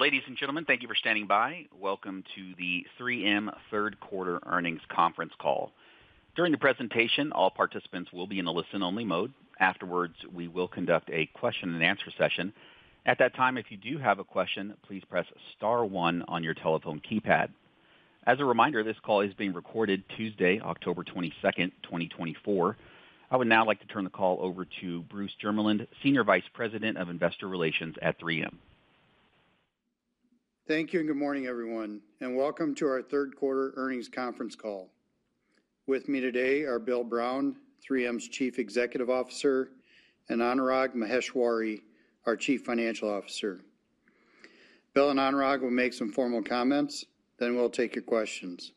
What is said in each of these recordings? Ladies and gentlemen, thank you for standing by. Welcome to the 3M third quarter earnings conference call. During the presentation, all participants will be in a listen-only mode. Afterwards, we will conduct a question-and-answer session. At that time, if you do have a question, please press star one on your telephone keypad. As a reminder, this call is being recorded Tuesday, October twenty-second, twenty twenty-four. I would now like to turn the call over to Bruce Jermeland, Senior Vice President of Investor Relations at 3M. Thank you, and good morning, everyone, and welcome to our third quarter earnings conference call. With me today are Bill Brown, 3M's Chief Executive Officer, and Anurag Maheshwari, our Chief Financial Officer. Bill and Anurag will make some formal comments, then we'll take your questions.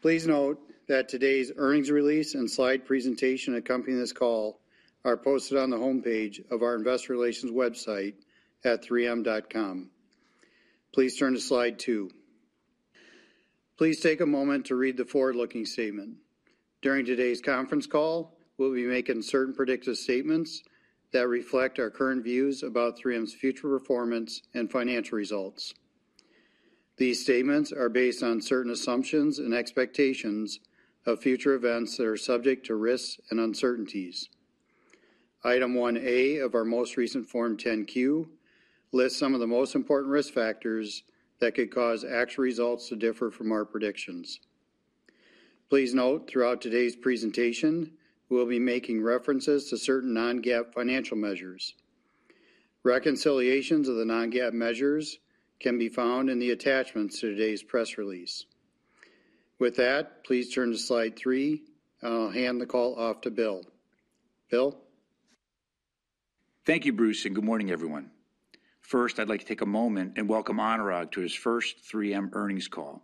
Please note that today's earnings release and slide presentation accompanying this call are posted on the homepage of our investor relations website at 3m.com. Please turn to slide two. Please take a moment to read the forward-looking statement. During today's conference call, we'll be making certain predictive statements that reflect our current views about 3M's future performance and financial results. These statements are based on certain assumptions and expectations of future events that are subject to risks and uncertainties. Item 1A of our most recent Form 10-Q lists some of the most important risk factors that could cause actual results to differ from our predictions. Please note, throughout today's presentation, we'll be making references to certain non-GAAP financial measures. Reconciliations of the non-GAAP measures can be found in the attachments to today's press release. With that, please turn to slide three. I'll hand the call off to Bill. Bill? Thank you, Bruce, and good morning, everyone. First, I'd like to take a moment and welcome Anurag to his first 3M earnings call.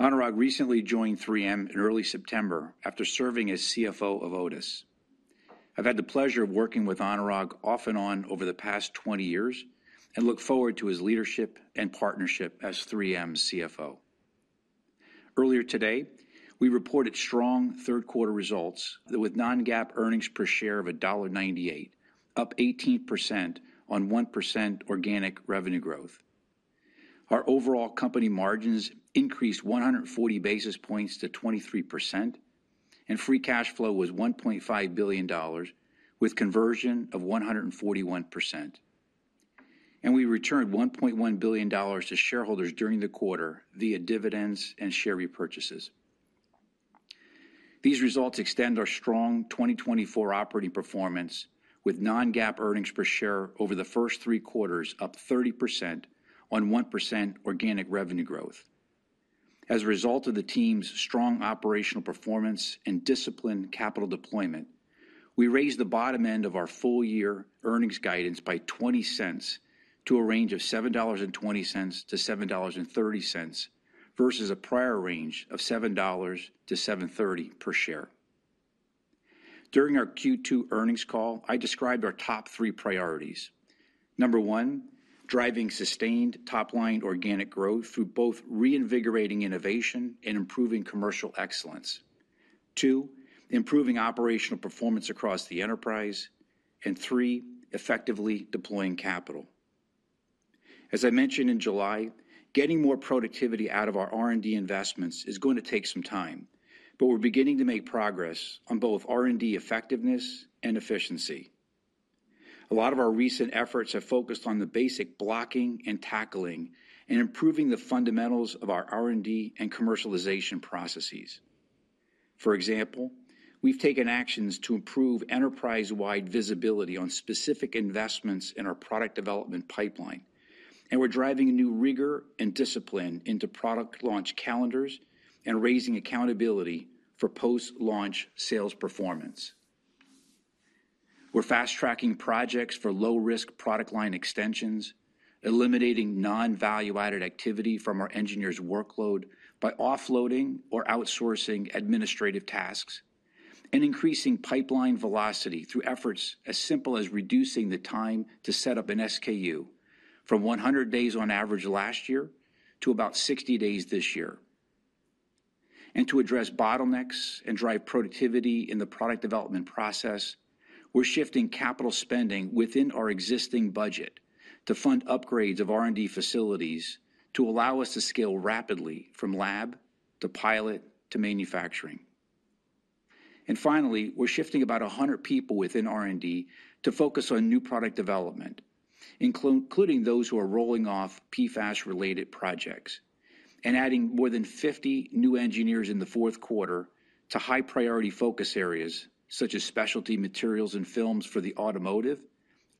Anurag recently joined 3M in early September after serving as CFO of Otis. I've had the pleasure of working with Anurag off and on over the past 20 years and look forward to his leadership and partnership as 3M's CFO. Earlier today, we reported strong third-quarter results, with non-GAAP earnings per share of $1.98, up 18% on 1% organic revenue growth. Our overall company margins increased 140 basis points to 23%, and free cash flow was $1.5 billion, with a conversion of 141%, and we returned $1.1 billion to shareholders during the quarter via dividends and share repurchases. These results extend our strong 2024 operating performance, with non-GAAP earnings per share over the first three quarters up 30% on 1% organic revenue growth. As a result of the team's strong operational performance and disciplined capital deployment, we raised the bottom end of our full-year earnings guidance by $0.20 to a range of $7.20-$7.30, versus a prior range of $7-$7.30 per share. During our Q2 earnings call, I described our top three priorities. Number one, driving sustained top-line organic growth through both reinvigorating innovation and improving commercial excellence. Two, improving operational performance across the enterprise. And three, effectively deploying capital. As I mentioned in July, getting more productivity out of our R&D investments is going to take some time, but we're beginning to make progress on both R&D effectiveness and efficiency. A lot of our recent efforts have focused on the basic blocking and tackling and improving the fundamentals of our R&D and commercialization processes. For example, we've taken actions to improve enterprise-wide visibility on specific investments in our product development pipeline, and we're driving a new rigor and discipline into product launch calendars and raising accountability for post-launch sales performance. We're fast-tracking projects for low-risk product line extensions, eliminating non-value-added activity from our engineers' workload by offloading or outsourcing administrative tasks, and increasing pipeline velocity through efforts as simple as reducing the time to set up an SKU from 100 days on average last year to about 60 days this year, and to address bottlenecks and drive productivity in the product development process, we're shifting capital spending within our existing budget to fund upgrades of R&D facilities to allow us to scale rapidly from lab to pilot to manufacturing. And finally, we're shifting about 100 people within R&D to focus on new product development, including those who are rolling off PFAS-related projects, and adding more than 50 new engineers in the fourth quarter to high-priority focus areas such as specialty materials and films for the automotive,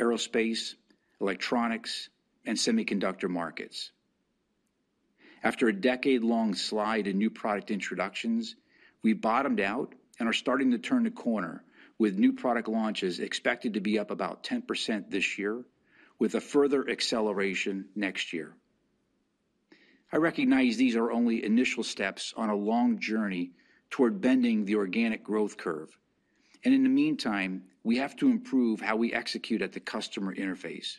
aerospace, electronics, and semiconductor markets. After a decade-long slide in new product introductions, we bottomed out and are starting to turn the corner, with new product launches expected to be up about 10% this year, with a further acceleration next year. I recognize these are only initial steps on a long journey toward bending the organic growth curve, and in the meantime, we have to improve how we execute at the customer interface.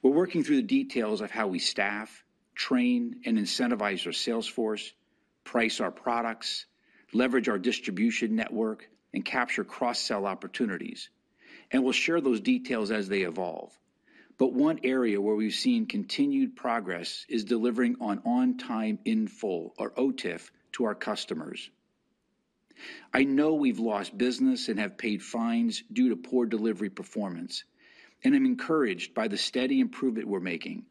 We're working through the details of how we staff, train, and incentivize our sales force.... price our products, leverage our distribution network, and capture cross-sell opportunities, and we'll share those details as they evolve. But one area where we've seen continued progress is delivering on on-time in full, or OTIF, to our customers. I know we've lost business and have paid fines due to poor delivery performance, and I'm encouraged by the steady improvement we're making,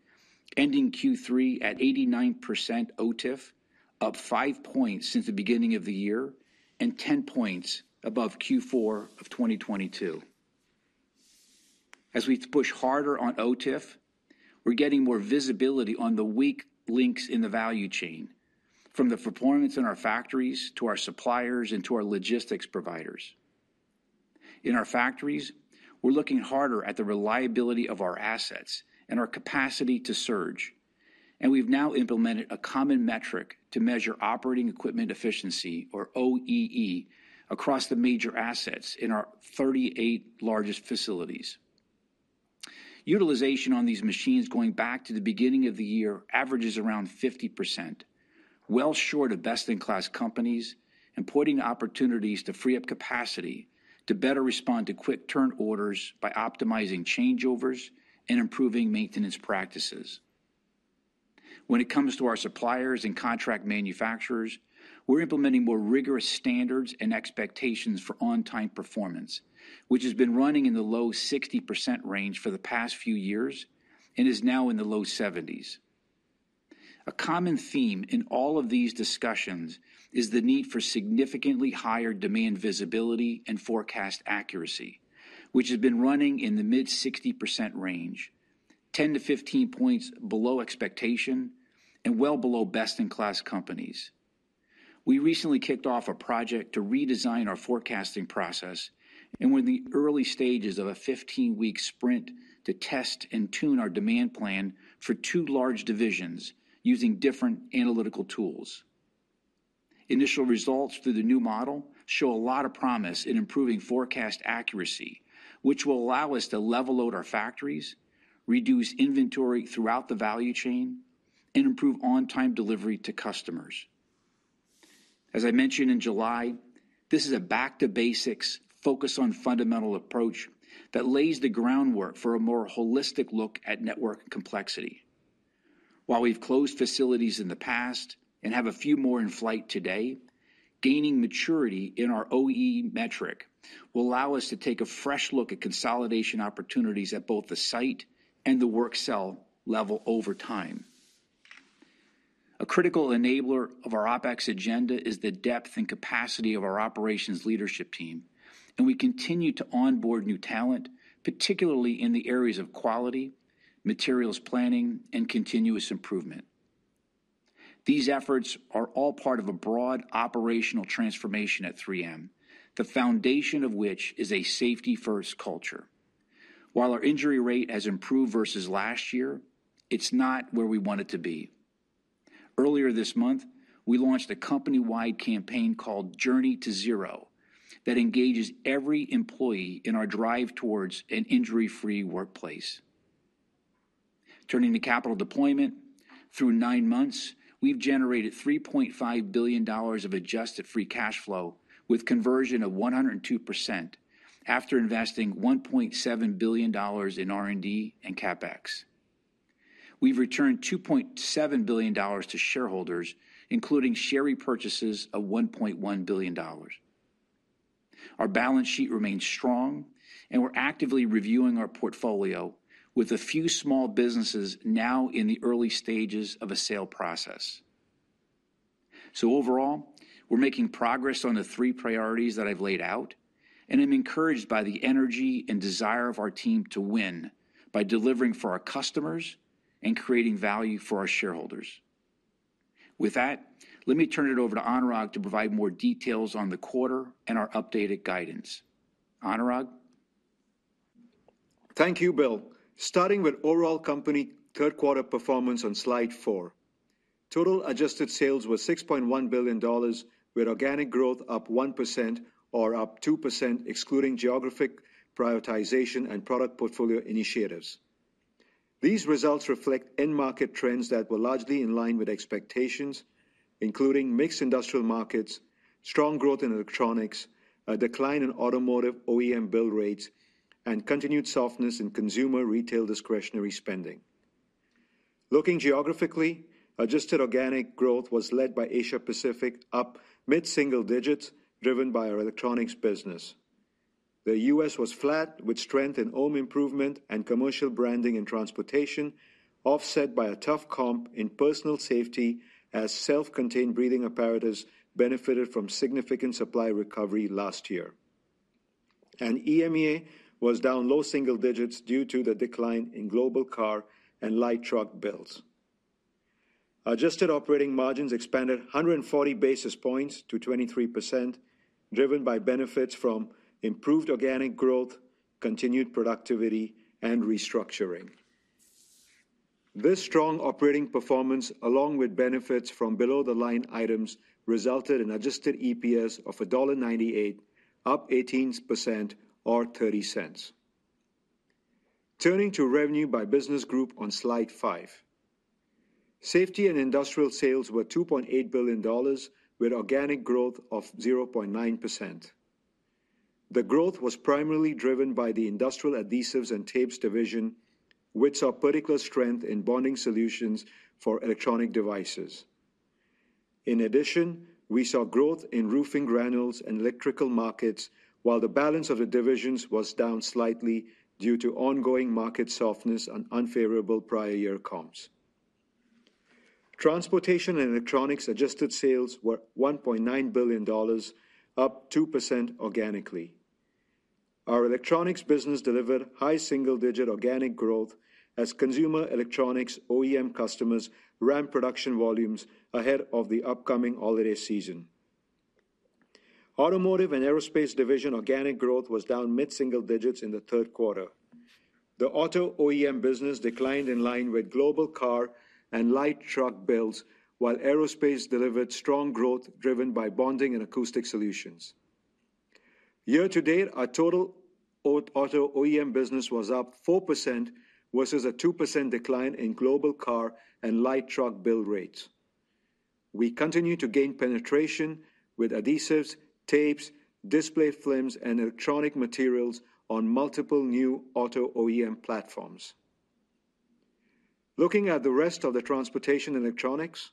ending Q3 at 89% OTIF, up five points since the beginning of the year and ten points above Q4 of 2022. As we push harder on OTIF, we're getting more visibility on the weak links in the value chain, from the performance in our factories, to our suppliers, and to our logistics providers. In our factories, we're looking harder at the reliability of our assets and our capacity to surge, and we've now implemented a common metric to measure operating equipment efficiency, or OEE, across the major assets in our thirty-eight largest facilities. Utilization on these machines going back to the beginning of the year averages around 50%, well short of best-in-class companies and pointing to opportunities to free up capacity to better respond to quick turn orders by optimizing changeovers and improving maintenance practices. When it comes to our suppliers and contract manufacturers, we're implementing more rigorous standards and expectations for on-time performance, which has been running in the low 60% range for the past few years and is now in the low 70s. A common theme in all of these discussions is the need for significantly higher demand visibility and forecast accuracy, which has been running in the mid-60% range, 10-15 points below expectation and well below best-in-class companies. We recently kicked off a project to redesign our forecasting process and we're in the early stages of a 15-week sprint to test and tune our demand plan for two large divisions using different analytical tools. Initial results through the new model show a lot of promise in improving forecast accuracy, which will allow us to level load our factories, reduce inventory throughout the value chain, and improve on-time delivery to customers. As I mentioned in July, this is a back-to-basics, focus-on-fundamental approach that lays the groundwork for a more holistic look at network complexity. While we've closed facilities in the past and have a few more in flight today, gaining maturity in our OEE metric will allow us to take a fresh look at consolidation opportunities at both the site and the work cell level over time. A critical enabler of our OpEx agenda is the depth and capacity of our operations leadership team, and we continue to onboard new talent, particularly in the areas of quality, materials planning, and continuous improvement. These efforts are all part of a broad operational transformation at 3M, the foundation of which is a safety-first culture. While our injury rate has improved versus last year, it's not where we want it to be. Earlier this month, we launched a company-wide campaign called Journey to Zero, that engages every employee in our drive towards an injury-free workplace. Turning to capital deployment, through nine months, we've generated $3.5 billion of adjusted free cash flow, with conversion of 102%, after investing $1.7 billion in R&D and CapEx. We've returned $2.7 billion to shareholders, including share repurchases of $1.1 billion. Our balance sheet remains strong, and we're actively reviewing our portfolio with a few small businesses now in the early stages of a sale process. So overall, we're making progress on the three priorities that I've laid out, and I'm encouraged by the energy and desire of our team to win by delivering for our customers and creating value for our shareholders. With that, let me turn it over to Anurag to provide more details on the quarter and our updated guidance. Anurag? Thank you, Bill. Starting with overall company third quarter performance on slide four, total adjusted sales were $6.1 billion, with organic growth up 1% or up 2%, excluding geographic prioritization and product portfolio initiatives. These results reflect end market trends that were largely in line with expectations, including mixed industrial markets, strong growth in electronics, a decline in automotive OEM build rates, and continued softness in consumer retail discretionary spending. Looking geographically, adjusted organic growth was led by Asia Pacific, up mid-single digits, driven by our electronics business. The U.S. was flat, with strength in home Improvement and Commercial Branding and Transportation, offset by a tough comp in personal safety as self-contained breathing apparatus benefited from significant supply recovery last year, and EMEA was down low single digits due to the decline in global car and light truck builds. Adjusted operating margins expanded 140 basis points to 23%, driven by benefits from improved organic growth, continued productivity, and restructuring. This strong operating performance, along with benefits from below-the-line items, resulted in adjusted EPS of $1.98, up 18% or 30 cents. Turning to revenue by business group on slide five. Safety and Industrial sales were $2.8 billion, with organic growth of 0.9%. The growth was primarily driven by the Industrial Adhesives and Tapes Division, which saw particular strength in bonding solutions for electronic devices. In addition, we saw growth in roofing granules and electrical markets, while the balance of the divisions was down slightly due to ongoing market softness and unfavorable prior year comps. Transportation and Electronics adjusted sales were $1.9 billion, up 2% organically. Our electronics business delivered high single-digit organic growth as consumer electronics OEM customers ramped production volumes ahead of the upcoming holiday season. Automotive and Aerospace Division organic growth was down mid-single digits in the third quarter. The auto OEM business declined in line with global car and light truck builds, while aerospace delivered strong growth, driven by bonding and acoustic solutions. Year to date, our total auto OEM business was up 4% versus a 2% decline in global car and light truck build rates. We continue to gain penetration with adhesives, tapes, display films, and electronic materials on multiple new auto OEM platforms. Looking at the rest of the transportation electronics,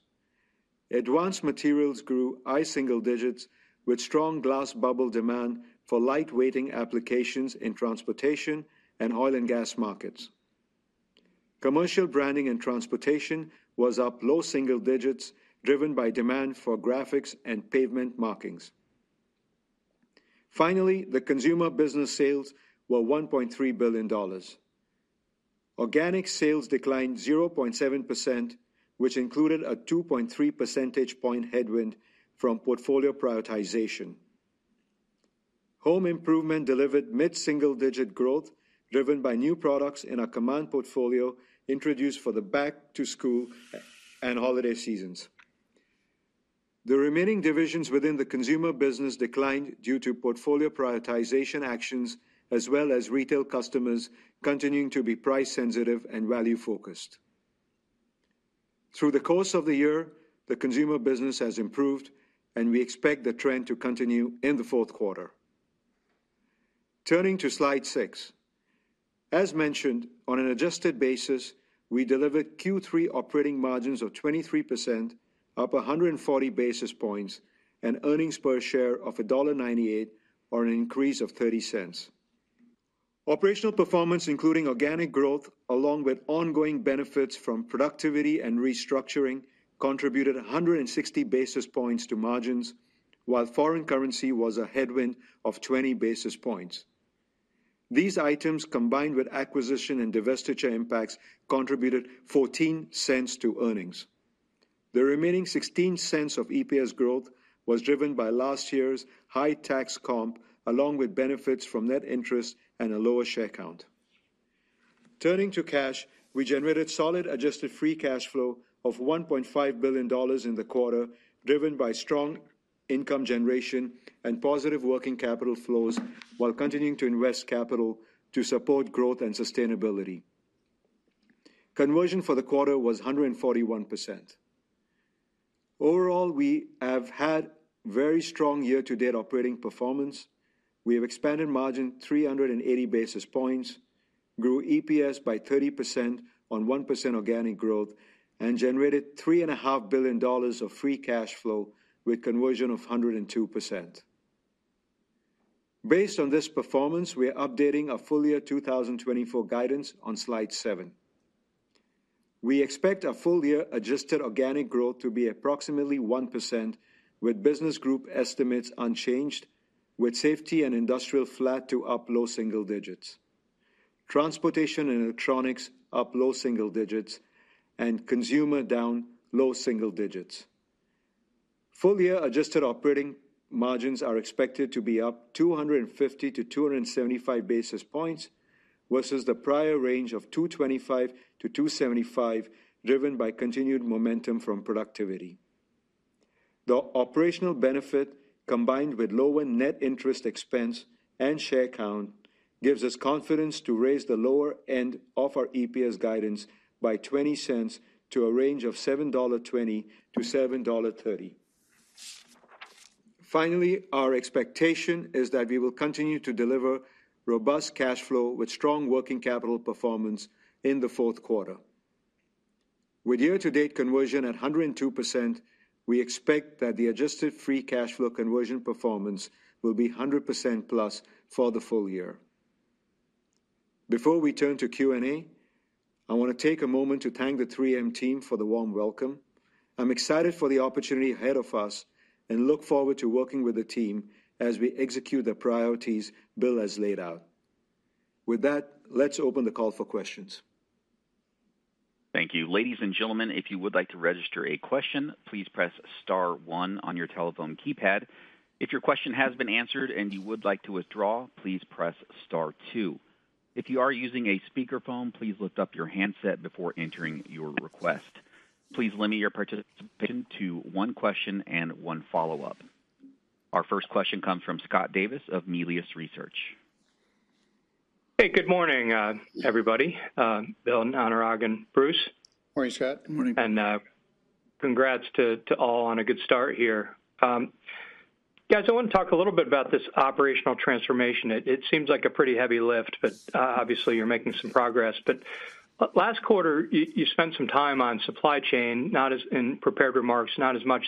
Advanced Materials grew high single digits, with strong Glass Bubbles demand for lightweighting applications in transportation and oil and gas markets. Commercial Branding and transportation was up low single digits, driven by demand for graphics and pavement markings. Finally, the Consumer business sales were $1.3 billion. Organic sales declined 0.7%, which included a 2.3 percentage point headwind from portfolio prioritization. Home improvement delivered mid-single-digit growth, driven by new products in our Command portfolio introduced for the back-to-school and holiday seasons. The remaining divisions within the Consumer business declined due to portfolio prioritization actions, as well as retail customers continuing to be price sensitive and value-focused. Through the course of the year, the Consumer business has improved, and we expect the trend to continue in the fourth quarter. Turning to Slide six. As mentioned, on an adjusted basis, we delivered Q3 operating margins of 23%, up 140 basis points, and earnings per share of $1.98, or an increase of $0.30. Operational performance, including organic growth, along with ongoing benefits from productivity and restructuring, contributed 160 basis points to margins, while foreign currency was a headwind of 20 basis points. These items, combined with acquisition and divestiture impacts, contributed $0.14 to earnings. The remaining $0.16 of EPS growth was driven by last year's high tax comp, along with benefits from net interest and a lower share count. Turning to cash, we generated solid adjusted free cash flow of $1.5 billion in the quarter, driven by strong income generation and positive working capital flows, while continuing to invest capital to support growth and sustainability. Conversion for the quarter was 141%. Overall, we have had very strong year-to-date operating performance. We have expanded margin 380 basis points, grew EPS by 30% on 1% organic growth, and generated $3.5 billion of free cash flow with conversion of 102%. Based on this performance, we are updating our full-year 2024 guidance on slide 7. We expect our full-year adjusted organic growth to be approximately 1%, with business group estimates unchanged, with safety and industrial flat to up low single digits, transportation and electronics up low single digits, and consumer down low single digits. Full-year adjusted operating margins are expected to be up 250-275 basis points versus the prior range of 225-275, driven by continued momentum from productivity. The operational benefit, combined with lower net interest expense and share count, gives us confidence to raise the lower end of our EPS guidance by $0.20 to a range of $7.20-$7.30. Finally, our expectation is that we will continue to deliver robust cash flow with strong working capital performance in the fourth quarter. With year-to-date conversion at 102%, we expect that the adjusted free cash flow conversion performance will be 100% plus for the full year. Before we turn to Q&A, I want to take a moment to thank the 3M team for the warm welcome. I'm excited for the opportunity ahead of us and look forward to working with the team as we execute the priorities Bill has laid out. With that, let's open the call for questions. Thank you. Ladies and gentlemen, if you would like to register a question, please press star one on your telephone keypad. If your question has been answered and you would like to withdraw, please press star two. If you are using a speakerphone, please lift up your handset before entering your request. Please limit your participation to one question and one follow-up.... Our first question comes from Scott Davis of Melius Research. Hey, good morning, everybody, Bill, Anurag, and Bruce. Morning, Scott. Good morning. Congrats to all on a good start here. Guys, I want to talk a little bit about this operational transformation. It seems like a pretty heavy lift, but obviously, you're making some progress. Last quarter, you spent some time on supply chain, not as much in prepared remarks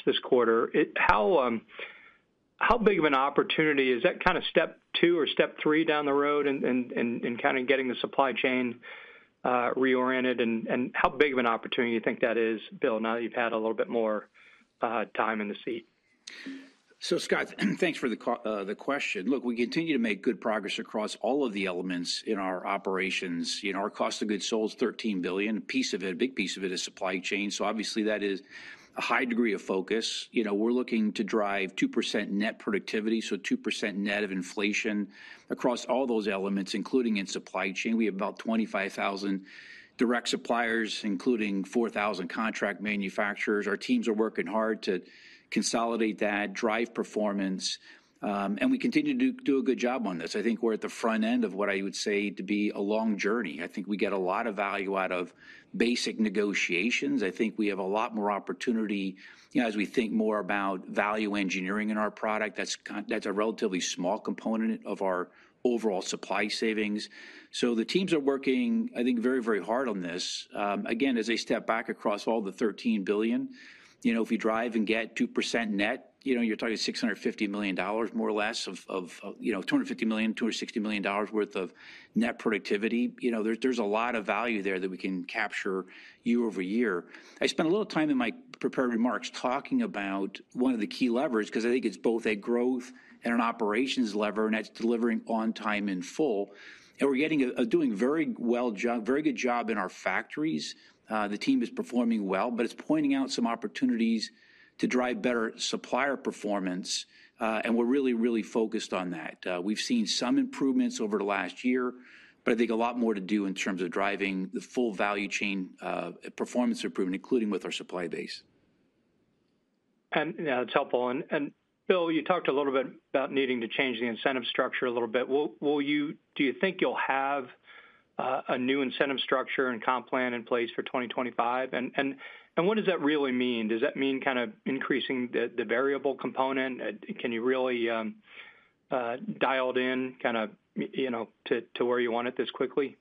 this quarter. How big of an opportunity is that kind of step two or step three down the road in kind of getting the supply chain reoriented? How big of an opportunity do you think that is, Bill, now that you've had a little bit more time in the seat? So, Scott, thanks for the question. Look, we continue to make good progress across all of the elements in our operations. You know, our cost of goods sold is $13 billion. A piece of it, a big piece of it, is supply chain, so obviously, that is a high degree of focus. You know, we're looking to drive 2% net productivity, so 2% net of inflation across all those elements, including in supply chain. We have about 25,000 direct suppliers, including 4,000 contract manufacturers. Our teams are working hard to consolidate that, drive performance, and we continue to do a good job on this. I think we're at the front end of what I would say to be a long journey. I think we get a lot of value out of basic negotiations. I think we have a lot more opportunity, you know, as we think more about value engineering in our product. That's a relatively small component of our overall supply savings. So the teams are working, I think, very, very hard on this. Again, as I step back across all the $13 billion, you know, if you drive and get 2% net, you know, you're talking $650 million, more or less, of, you know, $250 million, $260 million dollars worth of net productivity. You know, there's a lot of value there that we can capture year-over-year. I spent a little time in my prepared remarks talking about one of the key levers, because I think it's both a growth and an operations lever, and that's delivering on time in full. And we're doing very well, very good job in our factories. The team is performing well, but it's pointing out some opportunities to drive better supplier performance, and we're really, really focused on that. We've seen some improvements over the last year, but I think a lot more to do in terms of driving the full value chain, performance improvement, including with our supply base. Yeah, that's helpful. Bill, you talked a little bit about needing to change the incentive structure a little bit. Do you think you'll have a new incentive structure and comp plan in place for 2025? What does that really mean? Does that mean kind of increasing the variable component? Can you really dial it in kind of, you know, to where you want it this quickly?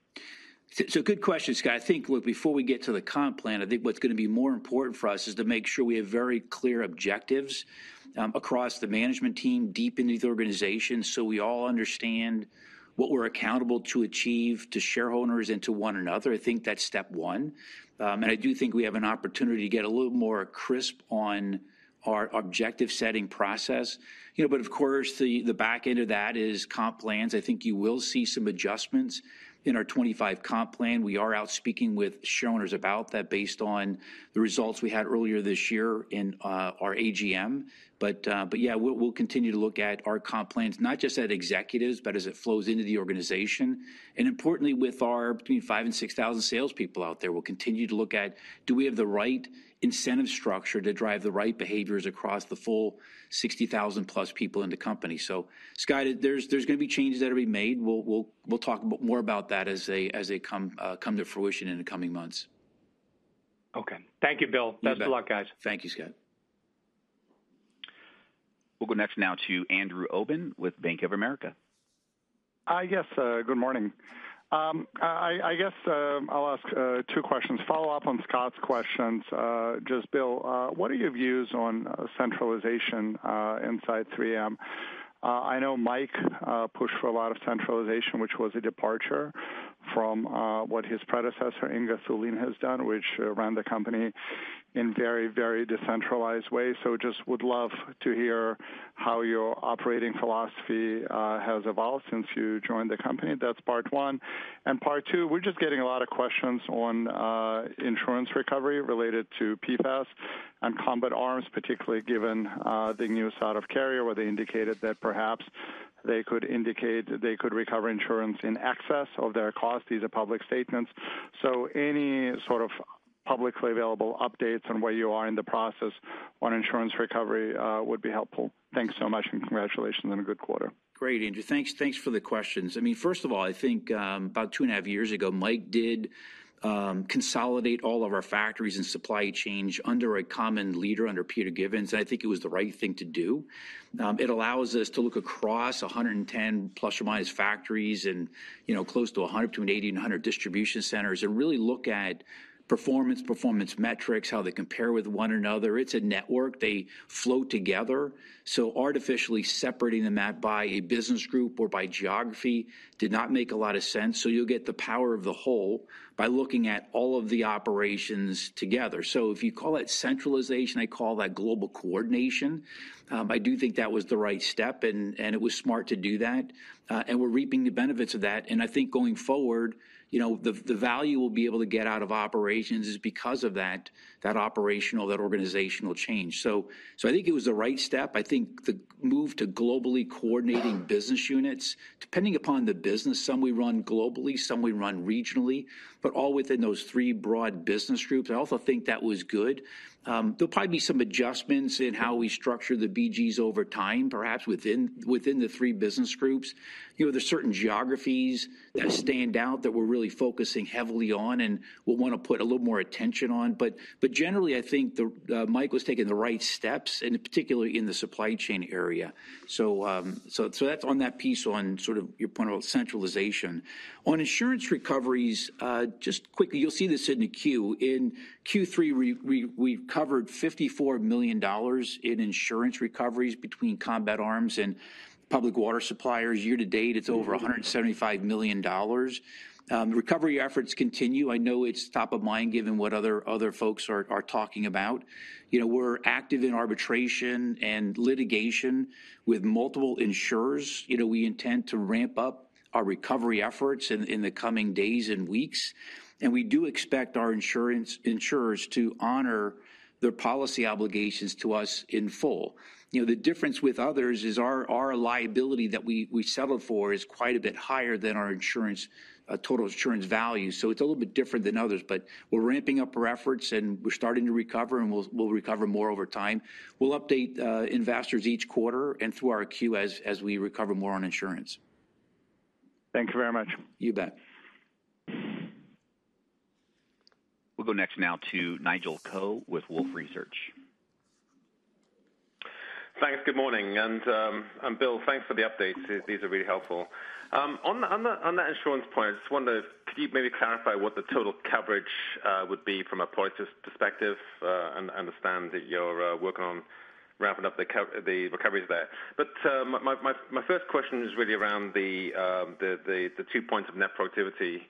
So good question, Scott. I think, look, before we get to the comp plan, I think what's going to be more important for us is to make sure we have very clear objectives across the management team, deep into the organization, so we all understand what we're accountable to achieve, to shareholders and to one another. I think that's step one. And I do think we have an opportunity to get a little more crisp on our objective-setting process. You know, but of course, the back-end of that is comp plans. I think you will see some adjustments in our 2025 comp plan. We are out speaking with shareholders about that based on the results we had earlier this year in our AGM. But, but yeah, we'll continue to look at our comp plans, not just at executives, but as it flows into the organization. And importantly, with our between five and six thousand salespeople out there, we'll continue to look at: Do we have the right incentive structure to drive the right behaviors across the full sixty thousand-plus people in the company? So Scott, there's gonna be changes that'll be made. We'll talk about more about that as they come to fruition in the coming months. Okay. Thank you, Bill. You bet. Best of luck, guys. Thank you, Scott. We'll go next now to Andrew Obin with Bank of America. Yes, good morning. I guess I'll ask two questions. Follow up on Scott's questions. Just Bill, what are your views on centralization inside 3M? I know Mike pushed for a lot of centralization, which was a departure from what his predecessor, Inge Thulin, has done, which ran the company in very, very decentralized ways. So just would love to hear how your operating philosophy has evolved since you joined the company. That's part one. Part two, we're just getting a lot of questions on insurance recovery related to PFAS and Combat Arms, particularly given the news out of Carrier, where they indicated that perhaps they could recover insurance in excess of their costs. These are public statements, so any sort of-... Publicly available updates on where you are in the process on insurance recovery would be helpful. Thanks so much, and congratulations on a good quarter. Great, Andrew. Thanks, thanks for the questions. I mean, first of all, I think, about two and a half years ago, Mike did consolidate all of our factories and supply chains under a common leader, under Peter Gibbons, and I think it was the right thing to do. It allows us to look across 110, plus or minus, factories and, you know, close to 100, between 80 and 100 distribution centers and really look at performance, performance metrics, how they compare with one another. It's a network. They flow together, so artificially separating them out by a business group or by geography did not make a lot of sense. So you'll get the power of the whole by looking at all of the operations together. So if you call it centralization, I call that global coordination. I do think that was the right step and it was smart to do that, and we're reaping the benefits of that. And I think going forward, you know, the value we'll be able to get out of operations is because of that operational, that organizational change. So I think it was the right step. I think the move to globally coordinating business units, depending upon the business, some we run globally, some we run regionally, but all within those three broad business groups. I also think that was good. There'll probably be some adjustments in how we structure the BGs over time, perhaps within the three business groups. You know, there's certain geographies that stand out that we're really focusing heavily on, and we'll want to put a little more attention on. But generally, I think Mike was taking the right steps, and particularly in the supply chain area. So that's on that piece on sort of your point about centralization. On insurance recoveries, just quickly, you'll see this in the Q. In Q3, we've covered $54 million in insurance recoveries between Combat Arms and public water suppliers. Year to date, it's over $175 million. Recovery efforts continue. I know it's top of mind, given what other folks are talking about. You know, we're active in arbitration and litigation with multiple insurers. You know, we intend to ramp up our recovery efforts in the coming days and weeks, and we do expect our insurers to honor their policy obligations to us in full. You know, the difference with others is our liability that we settle for is quite a bit higher than our insurance total insurance value, so it's a little bit different than others. But we're ramping up our efforts, and we're starting to recover, and we'll recover more over time. We'll update investors each quarter and through our 10-Qs as we recover more on insurance. Thank you very much. You bet. We'll go next now to Nigel Coe with Wolfe Research. Thanks. Good morning, and Bill, thanks for the updates. These are really helpful. On the insurance point, I just wondered, could you maybe clarify what the total coverage would be from a price perspective, and understand that you're working on ramping up the recoveries there. But, my first question is really around the two points of net productivity.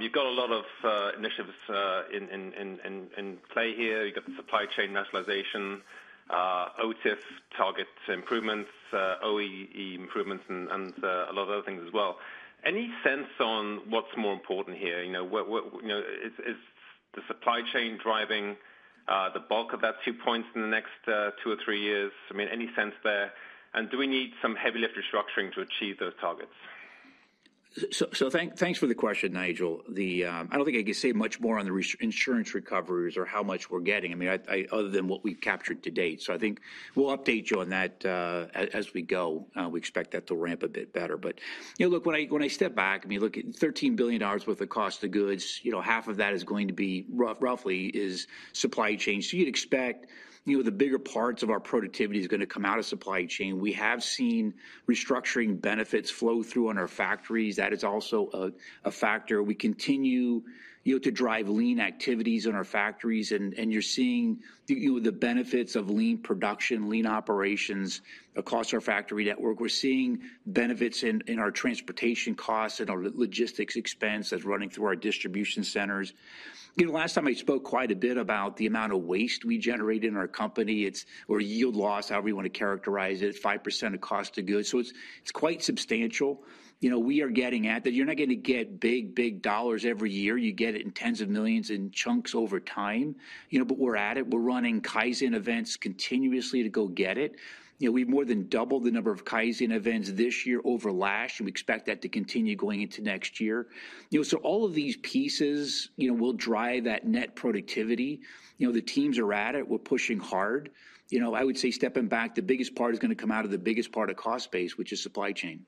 You've got a lot of initiatives in play here. You've got the supply chain nationalization, OTIF targets improvements, OEE improvements, and a lot of other things as well. Any sense on what's more important here? You know, what is the supply chain driving the bulk of that two points in the next two or three years? I mean, any sense there, and do we need some heavy lift restructuring to achieve those targets? So, thanks for the question, Nigel. I don't think I can say much more on the insurance recoveries or how much we're getting. I mean, other than what we've captured to date. I think we'll update you on that, as we go. We expect that to ramp a bit better. But, you know, look, when I step back, I mean, look, at $13 billion worth of cost of goods, you know, half of that is going to be roughly supply chain. So you'd expect, you know, the bigger parts of our productivity is gonna come out of supply chain. We have seen restructuring benefits flow through in our factories. That is also a factor. We continue, you know, to drive lean activities in our factories, and you're seeing the, you know, the benefits of lean production, lean operations across our factory network. We're seeing benefits in our transportation costs and our logistics expense that's running through our distribution centers. You know, last time I spoke quite a bit about the amount of waste we generate in our company. It's or yield loss, however you want to characterize it, 5% of cost of goods, so it's quite substantial. You know, we are getting at that. You're not going to get big, big dollars every year. You get it in tens of millions in chunks over time, you know, but we're at it. We're running Kaizen events continuously to go get it. You know, we've more than doubled the number of Kaizen events this year over last, and we expect that to continue going into next year. You know, so all of these pieces, you know, will drive that net productivity. You know, the teams are at it. We're pushing hard. You know, I would say, stepping back, the biggest part is gonna come out of the biggest part of cost base, which is supply chain.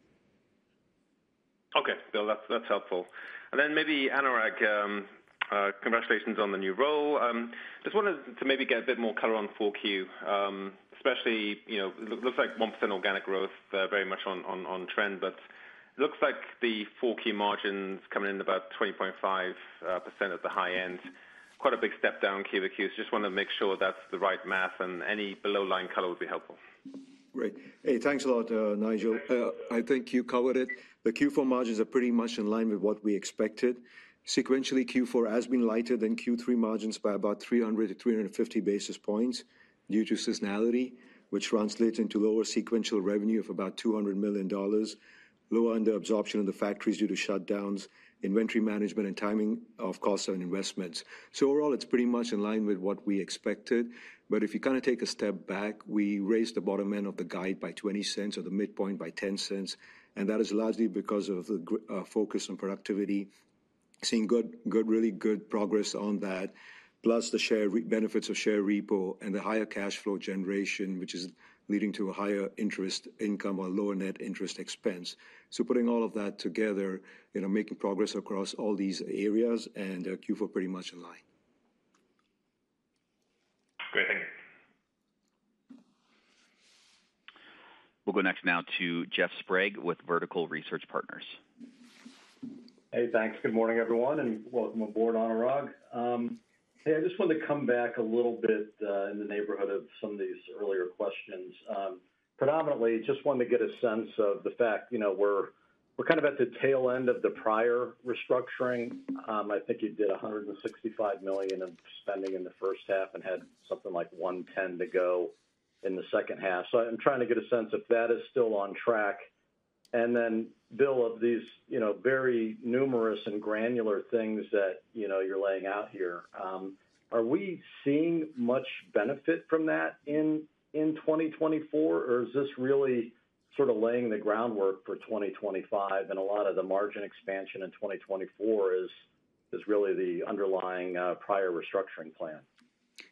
Okay, Bill, that's helpful. And then maybe, Anurag, congratulations on the new role. Just wanted to maybe get a bit more color on 4Q, especially, you know, look, looks like 1% organic growth, very much on trend, but looks like the 4Q margin's coming in about 20.5% at the high end. Quite a big step down Q to Q. Just want to make sure that's the right math, and any below-the-line color would be helpful. Great. Hey, thanks a lot, Nigel. I think you covered it. The Q4 margins are pretty much in line with what we expected. Sequentially, Q4 has been lighter than Q3 margins by about 300-350 basis points due to seasonality, which translates into lower sequential revenue of about $200 million, lower under absorption in the factories due to shutdowns, inventory management, and timing of costs and investments. So overall, it's pretty much in line with what we expected. But if you kind of take a step back, we raised the bottom end of the guide by $0.20 or the midpoint by $0.10, and that is largely because of the focus on productivity-... seeing good, good, really good progress on that, plus the share repurchase benefits of share repurchase and the higher cash flow generation, which is leading to a higher interest income or lower net interest expense. So putting all of that together, you know, making progress across all these areas, and Q4 pretty much in line. Great. Thank you. We'll go next now to Jeff Sprague with Vertical Research Partners. Hey, thanks. Good morning, everyone, and welcome aboard, Anurag. Hey, I just wanted to come back a little bit in the neighborhood of some of these earlier questions. Predominantly, just wanted to get a sense of the fact, you know, we're kind of at the tail end of the prior restructuring. I think you did $165 million of spending in the first half and had something like 110 to go in the second half. So I'm trying to get a sense if that is still on track. And then, Bill, of these, you know, very numerous and granular things that, you know, you're laying out here, are we seeing much benefit from that in 2024? Or is this really sort of laying the groundwork for 2025, and a lot of the margin expansion in 2024 is really the underlying prior restructuring plan?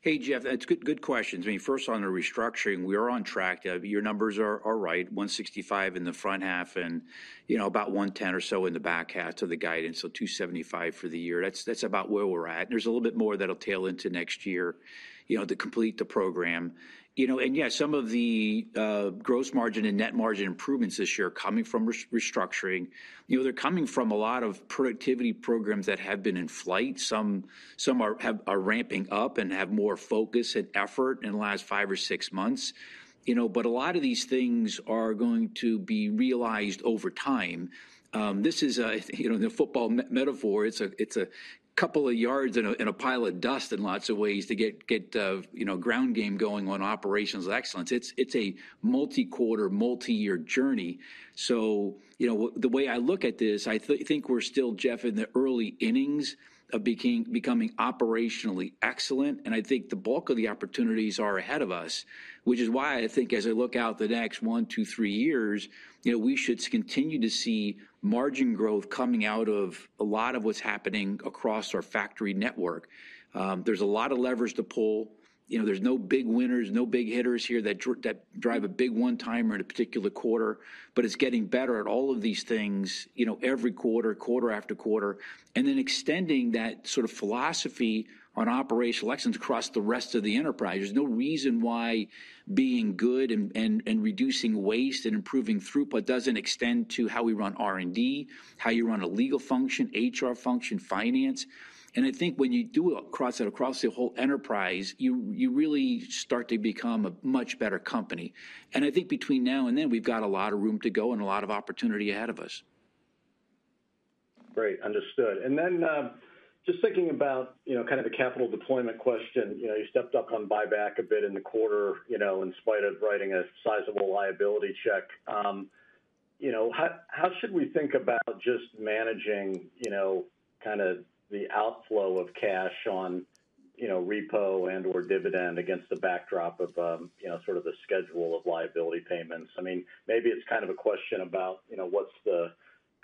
Hey, Jeff, that's good, good questions. I mean, first, on the restructuring, we are on track. Your numbers are right, 165 in the front half and, you know, about 110 or so in the back half of the guidance, so 275 for the year. That's about where we're at. There's a little bit more that'll tail into next year, you know, to complete the program. You know, and, yeah, some of the gross margin and net margin improvements this year are coming from restructuring. You know, they're coming from a lot of productivity programs that have been in flight. Some are ramping up and have more focus and effort in the last five or six months. You know, but a lot of these things are going to be realized over time. This is, you know, the football metaphor. It's a couple of yards and a pile of dust in lots of ways to get you know, ground game going on operational excellence. It's a multi-quarter, multi-year journey. So, you know, the way I look at this, I think we're still, Jeff, in the early innings of becoming operationally excellent, and I think the bulk of the opportunities are ahead of us, which is why I think as I look out the next one-to-three years, you know, we should continue to see margin growth coming out of a lot of what's happening across our factory network. There's a lot of levers to pull. You know, there's no big winners, no big hitters here that drive a big one-timer in a particular quarter, but it's getting better at all of these things, you know, every quarter, quarter after quarter, and then extending that sort of philosophy on operational excellence across the rest of the enterprise. There's no reason why being good and reducing waste and improving throughput doesn't extend to how we run R&D, how you run a legal function, HR function, finance. And I think when you do it across the whole enterprise, you really start to become a much better company. And I think between now and then, we've got a lot of room to go and a lot of opportunity ahead of us. Great, understood. And then, just thinking about, you know, kind of the capital deployment question, you know, you stepped up on buyback a bit in the quarter, you know, in spite of writing a sizable liability check. You know, how should we think about just managing, you know, kind of the outflow of cash on, you know, repo and/or dividend against the backdrop of, you know, sort of the schedule of liability payments? I mean, maybe it's kind of a question about, you know, what's the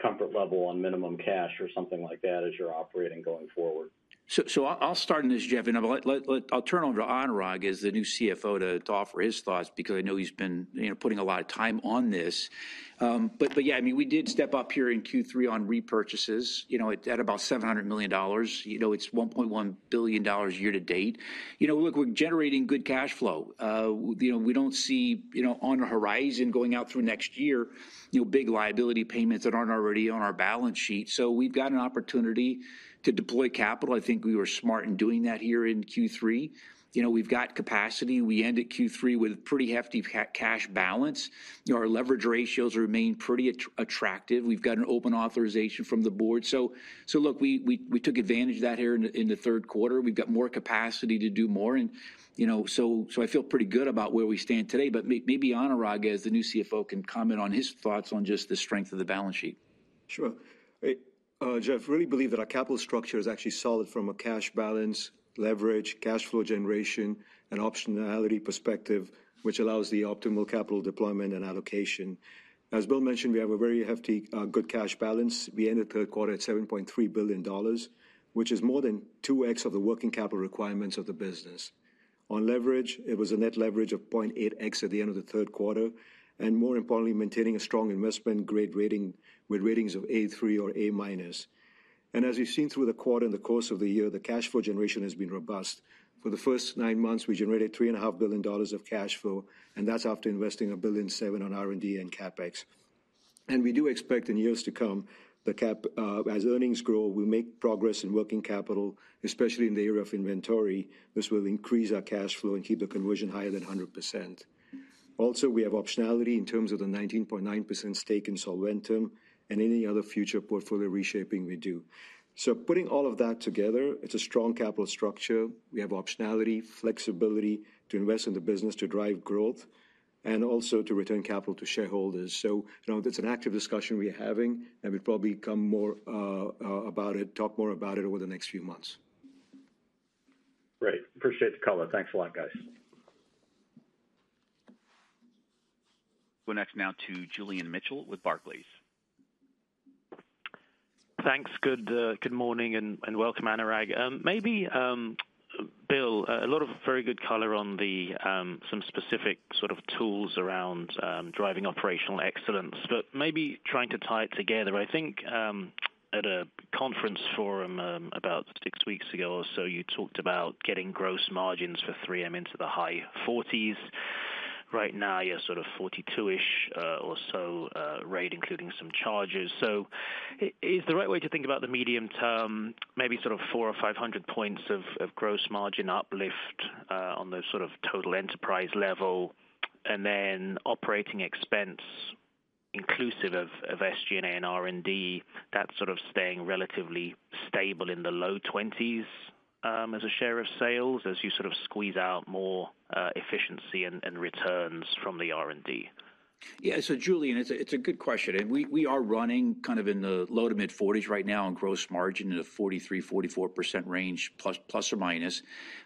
comfort level on minimum cash or something like that as you're operating going forward. I'll start on this, Jeff, and I'll turn it over to Anurag, as the new CFO, to offer his thoughts because I know he's been, you know, putting a lot of time on this. But yeah, I mean, we did step up here in Q3 on repurchases, you know, at about $700 million. You know, it's $1.1 billion year to date. You know, look, we're generating good cash flow. You know, we don't see, you know, on the horizon going out through next year, you know, big liability payments that aren't already on our balance sheet. So we've got an opportunity to deploy capital. I think we were smart in doing that here in Q3. You know, we've got capacity. We end Q3 with pretty hefty cash balance. You know, our leverage ratios remain pretty attractive. We've got an open authorization from the board. So look, we took advantage of that here in the third quarter. We've got more capacity to do more and, you know, so I feel pretty good about where we stand today, but maybe Anurag, as the new CFO, can comment on his thoughts on just the strength of the balance sheet. Sure. Jeff, really believe that our capital structure is actually solid from a cash balance, leverage, cash flow generation, and optionality perspective, which allows the optimal capital deployment and allocation. As Bill mentioned, we have a very hefty, good cash balance. We end the third quarter at $7.3 billion, which is more than 2x of the working capital requirements of the business. On leverage, it was a net leverage of 0.8x at the end of the third quarter, and more importantly, maintaining a strong investment-grade rating with ratings of A3 or A-minus. And as you've seen through the quarter in the course of the year, the cash flow generation has been robust. For the first nine months, we generated $3.5 billion of cash flow, and that's after investing $1.7 billion on R&D and CapEx. And we do expect in years to come, the cap, as earnings grow, we make progress in working capital, especially in the area of inventory. This will increase our cash flow and keep the conversion higher than 100%. Also, we have optionality in terms of the 19.9% stake in Solventum and any other future portfolio reshaping we do. So putting all of that together, it's a strong capital structure. We have optionality, flexibility to invest in the business, to drive growth, and also to return capital to shareholders. So you know, that's an active discussion we're having, and we'll probably talk more about it over the next few months. Great. Appreciate the color. Thanks a lot, guys. ... We're next now to Julian Mitchell with Barclays. Thanks. Good morning, and welcome, Anurag. Maybe, Bill, a lot of very good color on the, some specific sort of tools around, driving operational excellence, but maybe trying to tie it together. I think, at a conference forum, about six weeks ago or so, you talked about getting gross margins for 3M into the high forties. Right now, you're sort of forty-two-ish, or so, rate, including some charges. So is the right way to think about the medium term, maybe sort of four or five hundred points of gross margin uplift on the sort of total enterprise level, and then operating expense, inclusive of SG&A and R&D, that's sort of staying relatively stable in the low twenties as a share of sales, as you sort of squeeze out more efficiency and returns from the R&D? Yeah. So Julian, it's a good question, and we are running kind of in the low-to-mid 40s right now on gross margin, in the 43%-44% range, plus or minus.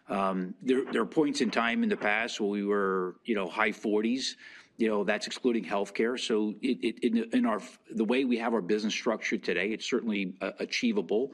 There are points in time in the past where we were, you know, high 40s, you know, that's excluding healthcare. So it, in the way we have our business structured today, it's certainly achievable.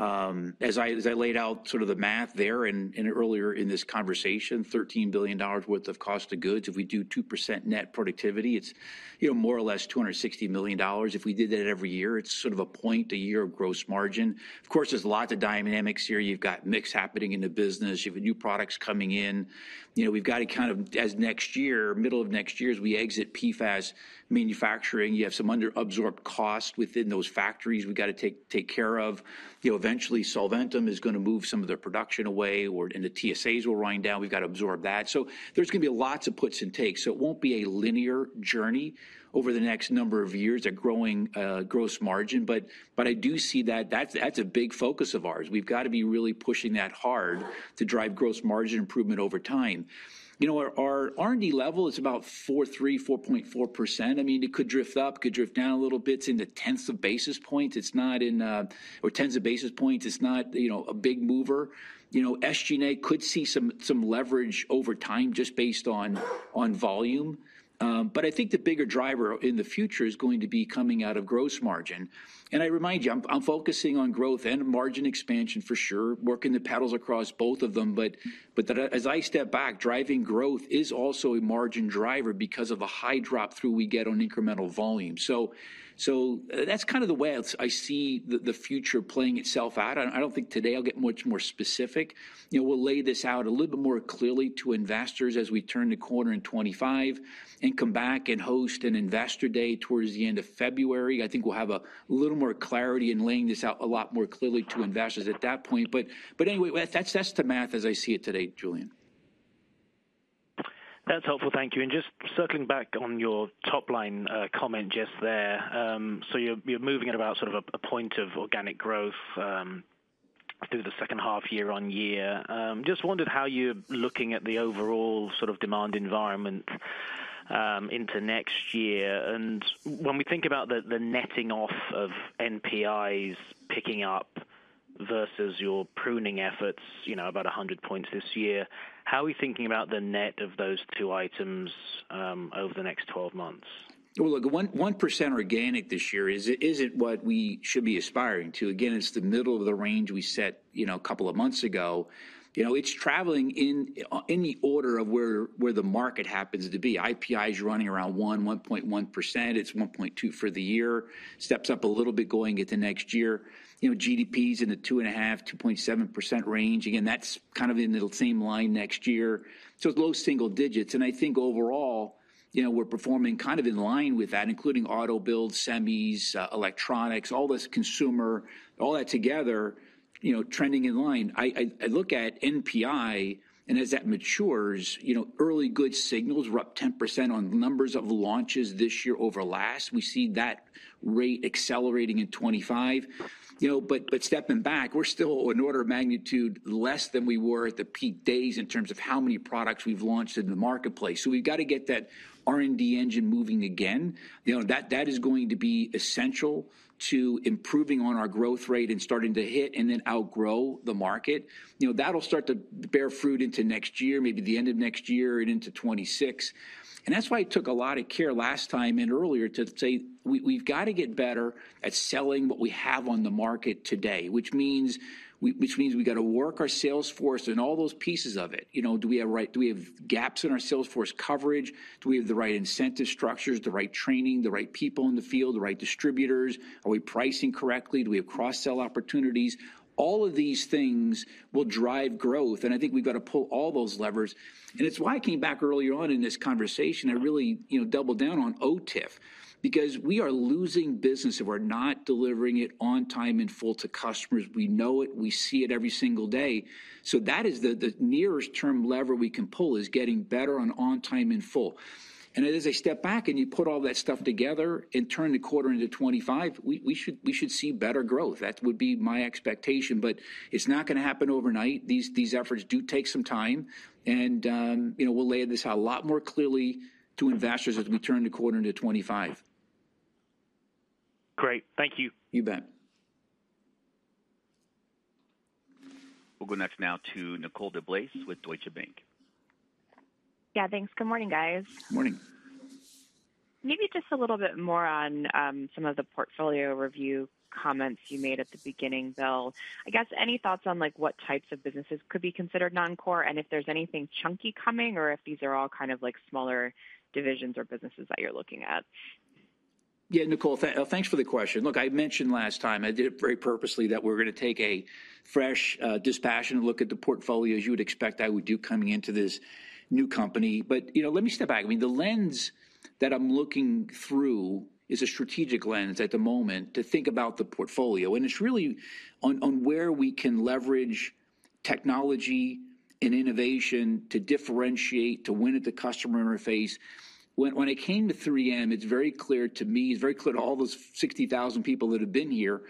As I laid out sort of the math there and earlier in this conversation, $13 billion worth of cost of goods. If we do 2% net productivity, it's, you know, more or less $260 million. If we did that every year, it's sort of a point a year of gross margin. Of course, there's lots of dynamics here. You've got mix happening in the business. You've new products coming in. You know, we've got to. As next year, middle of next year, as we exit PFAS manufacturing, you have some under-absorbed cost within those factories we've got to take care of. You know, eventually, Solventum is gonna move some of their production away, or, and the TSAs will wind down. We've got to absorb that. So there's gonna be lots of puts and takes, so it won't be a linear journey over the next number of years, a growing gross margin, but I do see that that's a big focus of ours. We've got to be really pushing that hard to drive gross margin improvement over time. You know, our R&D level is about 4.3-4.4%. I mean, it could drift up, could drift down a little bit in the tenths of basis points. It's not in or tens of basis points. It's not, you know, a big mover. You know, SG&A could see some leverage over time just based on volume, but I think the bigger driver in the future is going to be coming out of gross margin. And I remind you, I'm focusing on growth and margin expansion for sure, working the paddles across both of them, but as I step back, driving growth is also a margin driver because of a high drop through we get on incremental volume. So that's kind of the way I see the future playing itself out, and I don't think today I'll get much more specific. You know, we'll lay this out a little bit more clearly to investors as we turn the corner in 2025 and come back and host an investor day towards the end of February. I think we'll have a little more clarity in laying this out a lot more clearly to investors at that point, but anyway, that's the math as I see it today, Julian. That's helpful. Thank you. And just circling back on your top line comment just there. So you're moving at about sort of a point of organic growth through the second half year on year. Just wondered how you're looking at the overall sort of demand environment into next year. And when we think about the netting off of NPIs picking up versus your pruning efforts, you know, about a hundred points this year, how are we thinking about the net of those two items over the next twelve months? Look, 1% organic this year isn't what we should be aspiring to. Again, it's the middle of the range we set, you know, a couple of months ago. You know, it's traveling in, in the order of where the market happens to be. IPI is running around 1.1%. It's 1.2% for the year, steps up a little bit going into next year. You know, GDP is in the 2.5-2.7% range. Again, that's kind of in the same line next year, so low single digits. And I think overall, you know, we're performing kind of in line with that, including auto build, semis, electronics, all this consumer, all that together, you know, trending in line. I look at NPVI, and as that matures, you know, early good signals, we're up 10% on numbers of launches this year over last. We see that rate accelerating in 2025. You know, but stepping back, we're still an order of magnitude less than we were at the peak days in terms of how many products we've launched in the marketplace. So we've got to get that R&D engine moving again. You know, that is going to be essential to improving on our growth rate and starting to hit and then outgrow the market. You know, that'll start to bear fruit into next year, maybe the end of next year and into 2026. And that's why I took a lot of care last time and earlier to say, we, we've got to get better at selling what we have on the market today, which means we got to work our sales force and all those pieces of it. You know, do we have gaps in our sales force coverage? Do we have the right incentive structures, the right training, the right people in the field, the right distributors? Are we pricing correctly? Do we have cross-sell opportunities? All of these things will drive growth, and I think we've got to pull all those levers. And it's why I came back earlier on in ths conversation and really, you know, doubled down on OTIF, because we are losing business if we're not delivering it on time, in full to customers. We know it, we see it every single day. So that is the nearest term lever we can pull, is getting better on time in full. And as I step back and you put all that stuff together and turn the quarter into 2025, we should see better growth. That would be my expectation, but it's not gonna happen overnight. These efforts do take some time, and you know, we'll lay this out a lot more clearly to investors as we turn the corner into 2025. Great. Thank you. You bet.... We'll go next now to Nicole DeBlase with Deutsche Bank. Yeah, thanks. Good morning, guys. Good morning. Maybe just a little bit more on some of the portfolio review comments you made at the beginning, Bill. I guess any thoughts on, like, what types of businesses could be considered non-core, and if there's anything chunky coming, or if these are all kind of like smaller divisions or businesses that you're looking at? Yeah, Nicole, thanks for the question. Look, I mentioned last time, I did it very purposely, that we're gonna take a fresh, dispassionate look at the portfolio, as you would expect I would do coming into this new company. But, you know, let me step back. I mean, the lens that I'm looking through is a strategic lens at the moment to think about the portfolio, and it's really on where we can leverage technology and innovation to differentiate, to win at the customer interface. When it came to 3M, it's very clear to me, it's very clear to all those 60,000 people that have been here,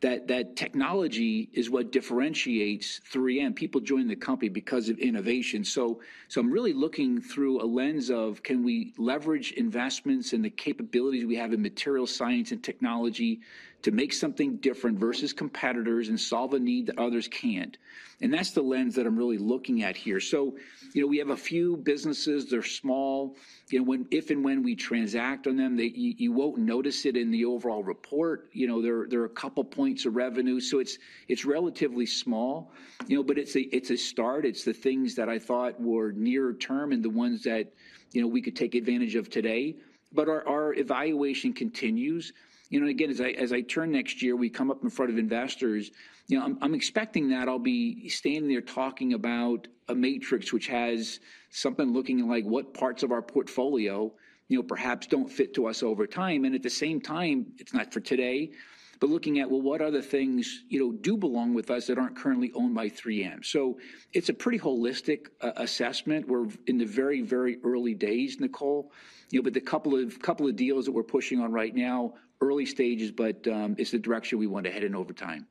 that technology is what differentiates 3M. People join the company because of innovation. So I'm really looking through a lens of: Can we leverage investments and the capabilities we have in material science and technology to make something different versus competitors and solve a need that others can't? And that's the lens that I'm really looking at here. So, you know, we have a few businesses, they're small. You know, if and when we transact on them, you won't notice it in the overall report. You know, there are a couple points of revenue, so it's relatively small, you know, but it's a start. It's the things that I thought were nearer term, and the ones that, you know, we could take advantage of today. But our evaluation continues. You know, again, as I turn next year, we come up in front of investors. You know, I'm expecting that I'll be standing there talking about a matrix which has something looking like what parts of our portfolio, you know, perhaps don't fit to us over time, and at the same time, it's not for today, but looking at, well, what other things, you know, do belong with us that aren't currently owned by 3M, so it's a pretty holistic assessment. We're in the very, very early days, Nicole. You know, but the couple of, couple of deals that we're pushing on right now, early stages, but it's the direction we want to head in over time.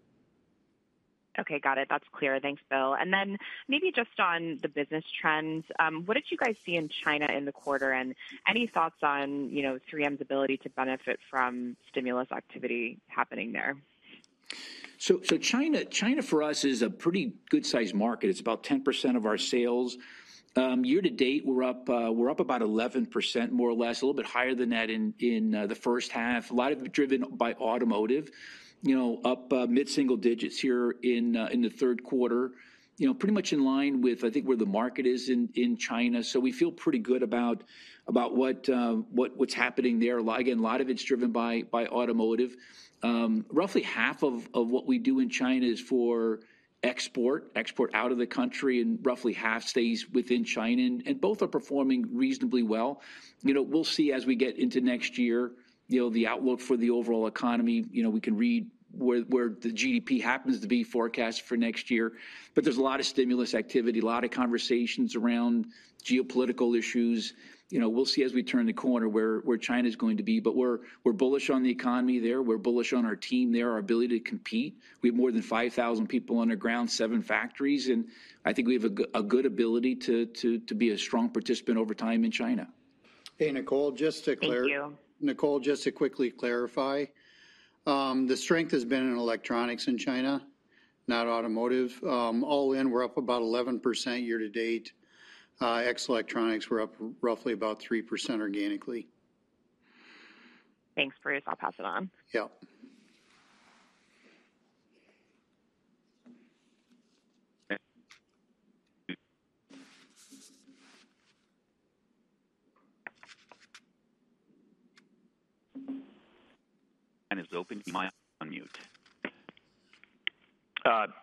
Okay, got it. That's clear. Thanks, Bill. And then maybe just on the business trends, what did you guys see in China in the quarter? And any thoughts on, you know, 3M's ability to benefit from stimulus activity happening there? So China for us is a pretty good-sized market. It's about 10% of our sales. Year to date, we're up about 11%, more or less, a little bit higher than that in the first half. A lot of it driven by automotive, you know, up mid-single digits here in the third quarter. You know, pretty much in line with, I think, where the market is in China, so we feel pretty good about what what's happening there. A lot. Again, a lot of it's driven by automotive. Roughly half of what we do in China is for export out of the country, and roughly half stays within China, and both are performing reasonably well. You know, we'll see as we get into next year, you know, the outlook for the overall economy. You know, we can read where the GDP happens to be forecast for next year. But there's a lot of stimulus activity, a lot of conversations around geopolitical issues. You know, we'll see as we turn the corner where China's going to be, but we're bullish on the economy there. We're bullish on our team there, our ability to compete. We have more than five thousand people on the ground, seven factories, and I think we have a good ability to be a strong participant over time in China. Hey, Nicole, just to clar- Thank you. Nicole, just to quickly clarify, the strength has been in electronics in China, not automotive. All in, we're up about 11% year to date. Ex electronics, we're up roughly about 3% organically. Thanks, Bruce. I'll pass it on. Yeah. line is open. You might be on mute.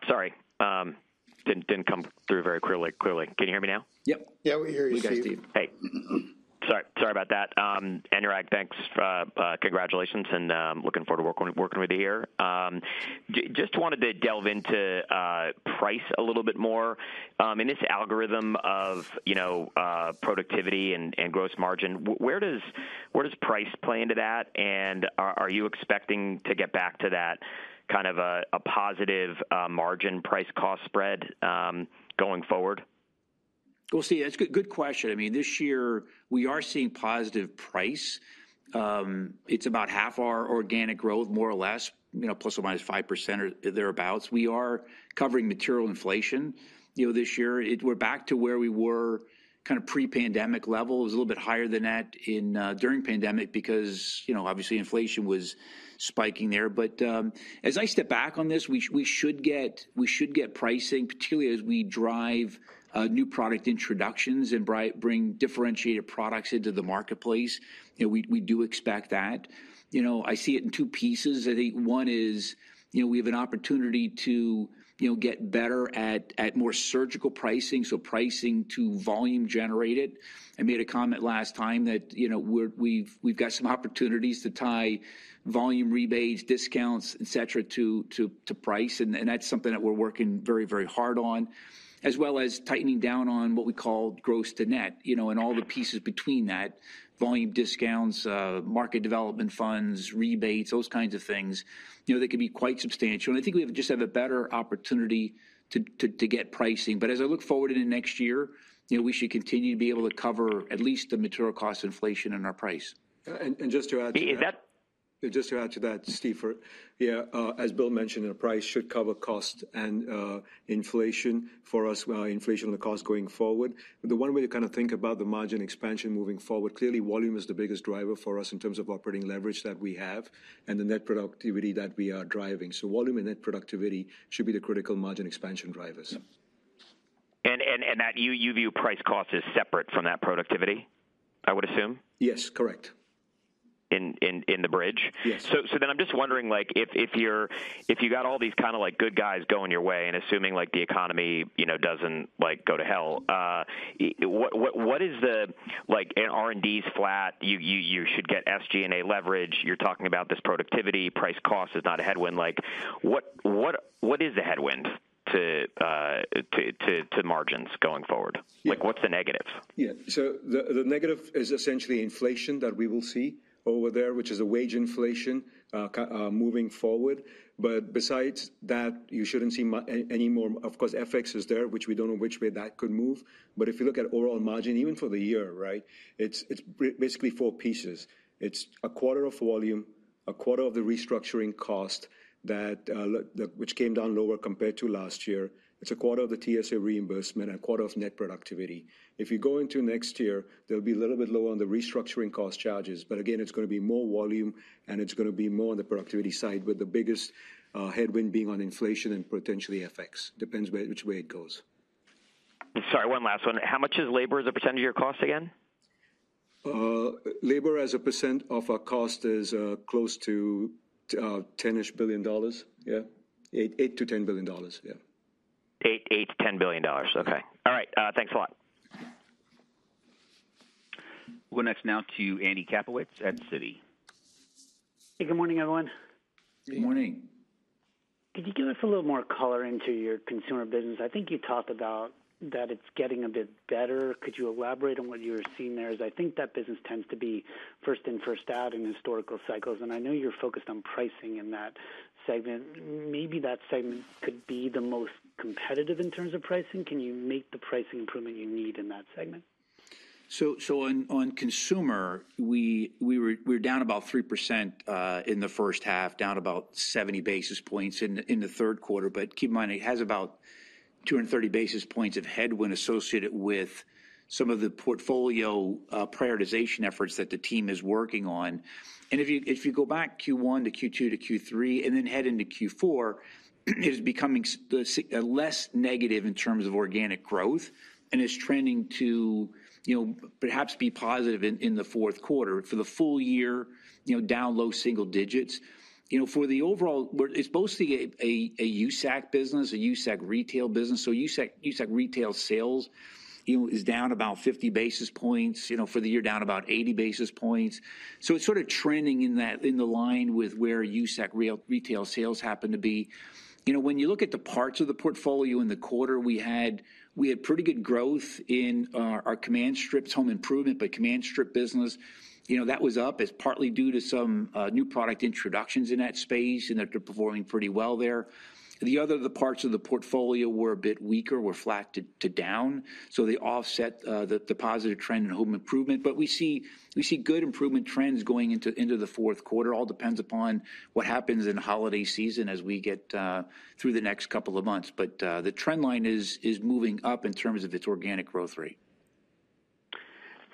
Sorry, didn't come through very clearly. Can you hear me now? Yep. Yeah, we hear you, Steve. We got Steve. Hey. Sorry, sorry about that. Anurag, thanks, congratulations and looking forward to working with you here. Just wanted to delve into price a little bit more. In this algorithm of, you know, productivity and gross margin, where does price play into that? And are you expecting to get back to that kind of a positive margin price cost spread going forward? See, that's a good, good question. I mean, this year, we are seeing positive price. It's about half our organic growth, more or less, you know, plus or minus 5% or thereabouts. We are covering material inflation. You know, this year, it. We're back to where we were kind of pre-pandemic levels, a little bit higher than that in during pandemic, because, you know, obviously inflation was spiking there. But, as I step back on this, we should get pricing, particularly as we drive new product introductions and bring differentiated products into the marketplace. You know, we do expect that. You know, I see it in two pieces. I think one is, you know, we have an opportunity to, you know, get better at more surgical pricing, so pricing to volume generated. I made a comment last time that, you know, we've got some opportunities to tie volume rebates, discounts, et cetera, to price, and that's something that we're working very, very hard on, as well as tightening down on what we call gross to net, you know, and all the pieces between that: volume discounts, market development funds, rebates, those kinds of things. You know, they can be quite substantial, and I think we have a better opportunity to get pricing. But as I look forward into next year, you know, we should continue to be able to cover at least the material cost inflation in our price. And just to add to that. Is that- Just to add to that, Steve, yeah, as Bill mentioned, our price should cover cost and inflation for us, well, inflation and the cost going forward. The one way to kind of think about the margin expansion moving forward, clearly volume is the biggest driver for us in terms of operating leverage that we have and the net productivity that we are driving. So volume and net productivity should be the critical margin expansion drivers. That you view price cost as separate from that productivity, I would assume? Yes, correct. In the bridge? Yes. I'm just wondering, like, if you got all these kind of like good guys going your way and assuming, like, the economy, you know, doesn't like go to hell, what is the... Like, in R&D's flat, you should get SG&A leverage. You're talking about this productivity. Price cost is not a headwind. Like, what is the headwind to margins going forward? Yeah. Like, what's the negatives? Yeah. So the negative is essentially inflation that we will see over there, which is a wage inflation, moving forward. But besides that, you shouldn't see any more. Of course, FX is there, which we don't know which way that could move. But if you look at overall margin, even for the year, right, it's basically four pieces. It's a quarter of volume, a quarter of the restructuring cost that which came down lower compared to last year. It's a quarter of the TSA reimbursement, a quarter of net productivity. If you go into next year, they'll be a little bit lower on the restructuring cost charges, but again, it's gonna be more volume, and it's gonna be more on the productivity side, with the biggest headwind being on inflation and potentially FX. Depends where, which way it goes. Sorry, one last one. How much is labor as a percentage of your cost again? Labor as a % of our cost is close to $10-ish billion. Yeah. $8-$10 billion, yeah. $8-$10 billion Yeah. Okay. All right, thanks a lot. We'll next now to Andy Kaplowitz at Citi. Hey, good morning, everyone. Good morning. Good morning. Could you give us a little more color into your Consumer business? I think you talked about that it's getting a bit better. Could you elaborate on what you're seeing there? As I think that business tends to be first in, first out in historical cycles, and I know you're focused on pricing in that segment. Maybe that segment could be the most competitive in terms of pricing. Can you make the pricing improvement you need in that segment? On consumer, we were down about 3% in the first half, down about 70 basis points in the third quarter. But keep in mind, it has about 230 basis points of headwind associated with some of the portfolio prioritization efforts that the team is working on. And if you go back Q1 to Q2 to Q3, and then head into Q4, it is becoming less negative in terms of organic growth, and it's trending to, you know, perhaps be positive in the fourth quarter. For the full year, you know, down low single digits. You know, for the overall, it's mostly a USAC business, a USAC retail business. USAC retail sales, you know, is down about 50 basis points, you know, for the year, down about 80 basis points. It's sort of trending in line with where USAC retail sales happen to be. You know, when you look at the parts of the portfolio in the quarter, we had pretty good growth in our Command strips, Home Improvement, but Command strip business, you know, that was up. It's partly due to some new product introductions in that space, and that they're performing pretty well there. The other parts of the portfolio were a bit weaker, were flat to down, so they offset the positive trend in Home Improvement. But we see good improvement trends going into the fourth quarter. All depends upon what happens in holiday season as we get through the next couple of months. But, the trend line is moving up in terms of its organic growth rate.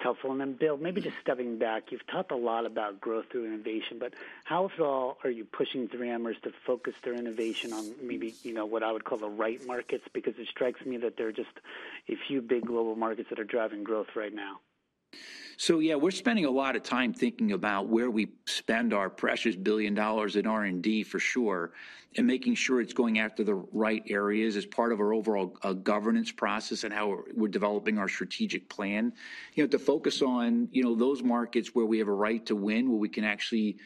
Helpful. And then, Bill, maybe just stepping back. You've talked a lot about growth through innovation, but how far are you pushing 3Mers to focus their innovation on maybe, you know, what I would call the right markets? Because it strikes me that there are just a few big global markets that are driving growth right now. So yeah, we're spending a lot of time thinking about where we spend our precious $1 billion in R&D for sure, and making sure it's going after the right areas as part of our overall governance process and how we're developing our strategic plan. You know, to focus on those markets where we have a right to win, where we can actually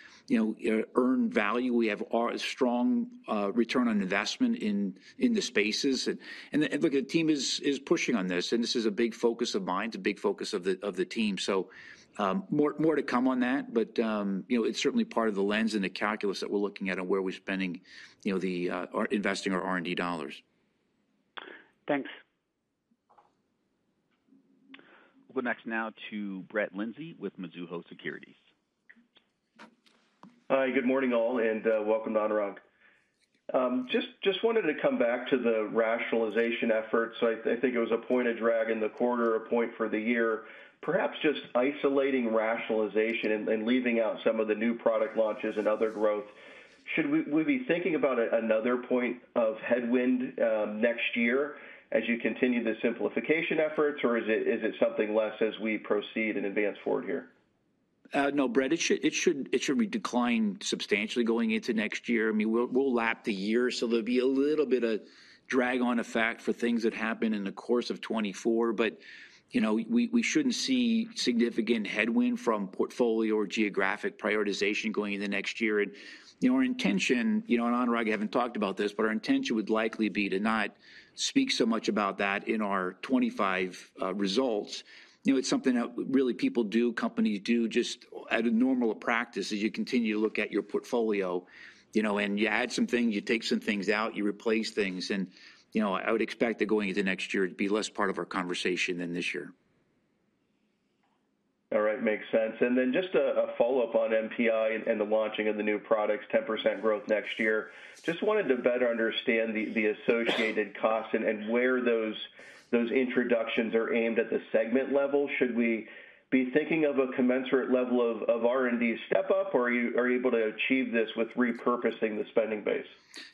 earn value, we have our strong return on investment in the spaces. And look, the team is pushing on this, and this is a big focus of mine, it's a big focus of the team. So more to come on that, but you know, it's certainly part of the lens and the calculus that we're looking at on where we're spending or investing our R&D dollars. Thanks. We'll go next now to Brett Linzey with Mizuho Securities. Hi, good morning, all, and welcome to Anurag. Just wanted to come back to the rationalization efforts. I think it was a point of drag in the quarter, a point for the year. Perhaps just isolating rationalization and leaving out some of the new product launches and other growth, should we be thinking about another point of headwind next year as you continue the simplification efforts, or is it something less as we proceed and advance forward here? No, Brett, it should be declined substantially going into next year. I mean, we'll lap the year, so there'll be a little bit of drag on effect for things that happen in the course of 2024. But, you know, we shouldn't see significant headwind from portfolio or geographic prioritization going into next year. And, you know, our intention, you know, and Anurag, I haven't talked about this, but our intention would likely be to not speak so much about that in our 2025 results. You know, it's something that really people do, companies do, just at a normal practice, as you continue to look at your portfolio, you know, and you add some things, you take some things out, you replace things. And, you know, I would expect that going into next year, it'd be less part of our conversation than this year. All right, makes sense. And then just a follow-up on NPI and the launching of the new products, 10% growth next year. Just wanted to better understand the associated costs and where those introductions are aimed at the segment level. Should we be thinking of a commensurate level of R&D step-up, or are you able to achieve this with repurposing the spending base?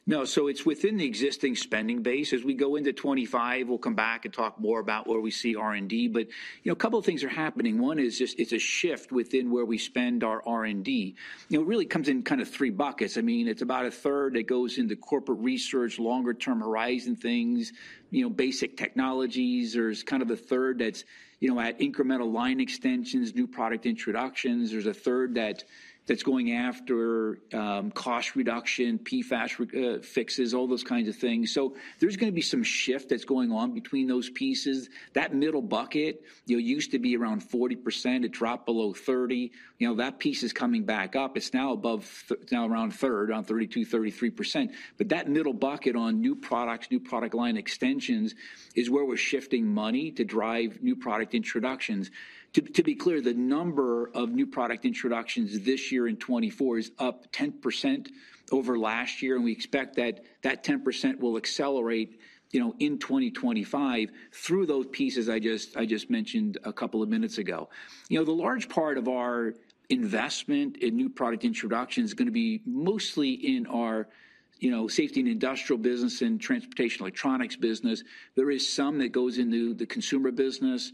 No, so it's within the existing spending base. As we go into 2025, we'll come back and talk more about where we see R&D. But, you know, a couple things are happening. One is just, it's a shift within where we spend our R&D. You know, it really comes in kind of three buckets. I mean, it's about a third that goes into corporate research, longer-term horizon things, you know, basic technologies. There's kind of a third that's, you know, at incremental line extensions, new product introductions. There's a third that, that's going after, cost reduction, PFAS, fixes, all those kinds of things. So there's gonna be some shift that's going on between those pieces. That middle bucket, you know, used to be around 40%; it dropped below 30. You know, that piece is coming back up. It's now above th... It's now around a third, around 32-33%. But that middle bucket on new products, new product line extensions, is where we're shifting money to drive new product introductions. To, to be clear, the number of new product introductions this year in 2024 is up 10% over last year, and we expect that that 10% will accelerate, you know, in 2025 through those pieces I just, I just mentioned a couple of minutes ago. You know, the large part of our investment in new product introduction is gonna be mostly in our, you know, safety and industrial business and transportation electronics business. There is some that goes into the Consumer business.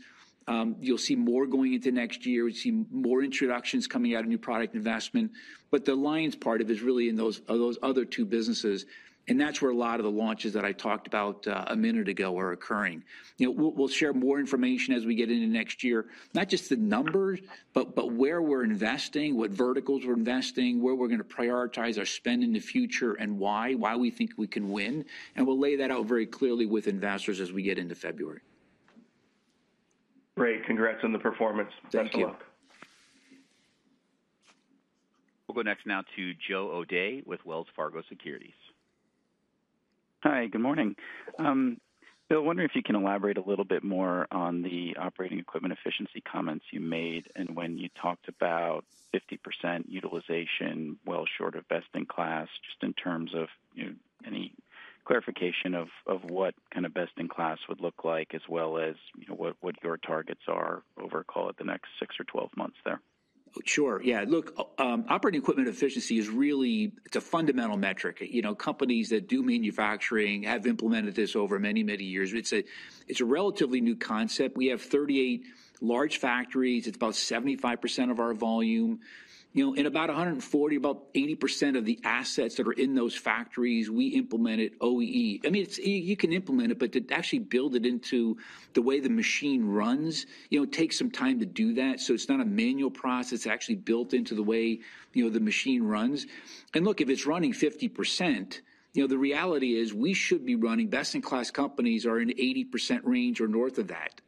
You'll see more going into next year. You'll see more introductions coming out of new product investment. But the lion's part of it is really in those other two businesses, and that's where a lot of the launches that I talked about a minute ago are occurring. You know, we'll share more information as we get into next year, not just the numbers, but where we're investing, what verticals we're investing, where we're gonna prioritize our spend in the future, and why we think we can win, and we'll lay that out very clearly with investors as we get into February. Great. Congrats on the performance. Thank you. Best of luck. We'll go next now to Joe O'Dea with Wells Fargo Securities. Hi, good morning. Bill, I wonder if you can elaborate a little bit more on the operating equipment efficiency comments you made and when you talked about 50% utilization, well short of best-in-class, just in terms of, you know, any clarification of what kind of best-in-class would look like, as well as, you know, what your targets are over, call it, the next six or 12 months there? Sure, yeah. Look, operating equipment efficiency is really. It's a fundamental metric. You know, companies that do manufacturing have implemented this over many, many years. It's a relatively new concept. We have 38 large factories. It's about 75% of our volume. You know, in about 140, about 80% of the assets that are in those factories, we implemented OEE. I mean, you can implement it, but to actually build it into the way the machine runs, you know, takes some time to do that. So it's not a manual process. It's actually built into the way, you know, the machine runs. And look, if it's running 50%, you know, the reality is, we should be running. Best-in-class companies are in 80% range or north of that.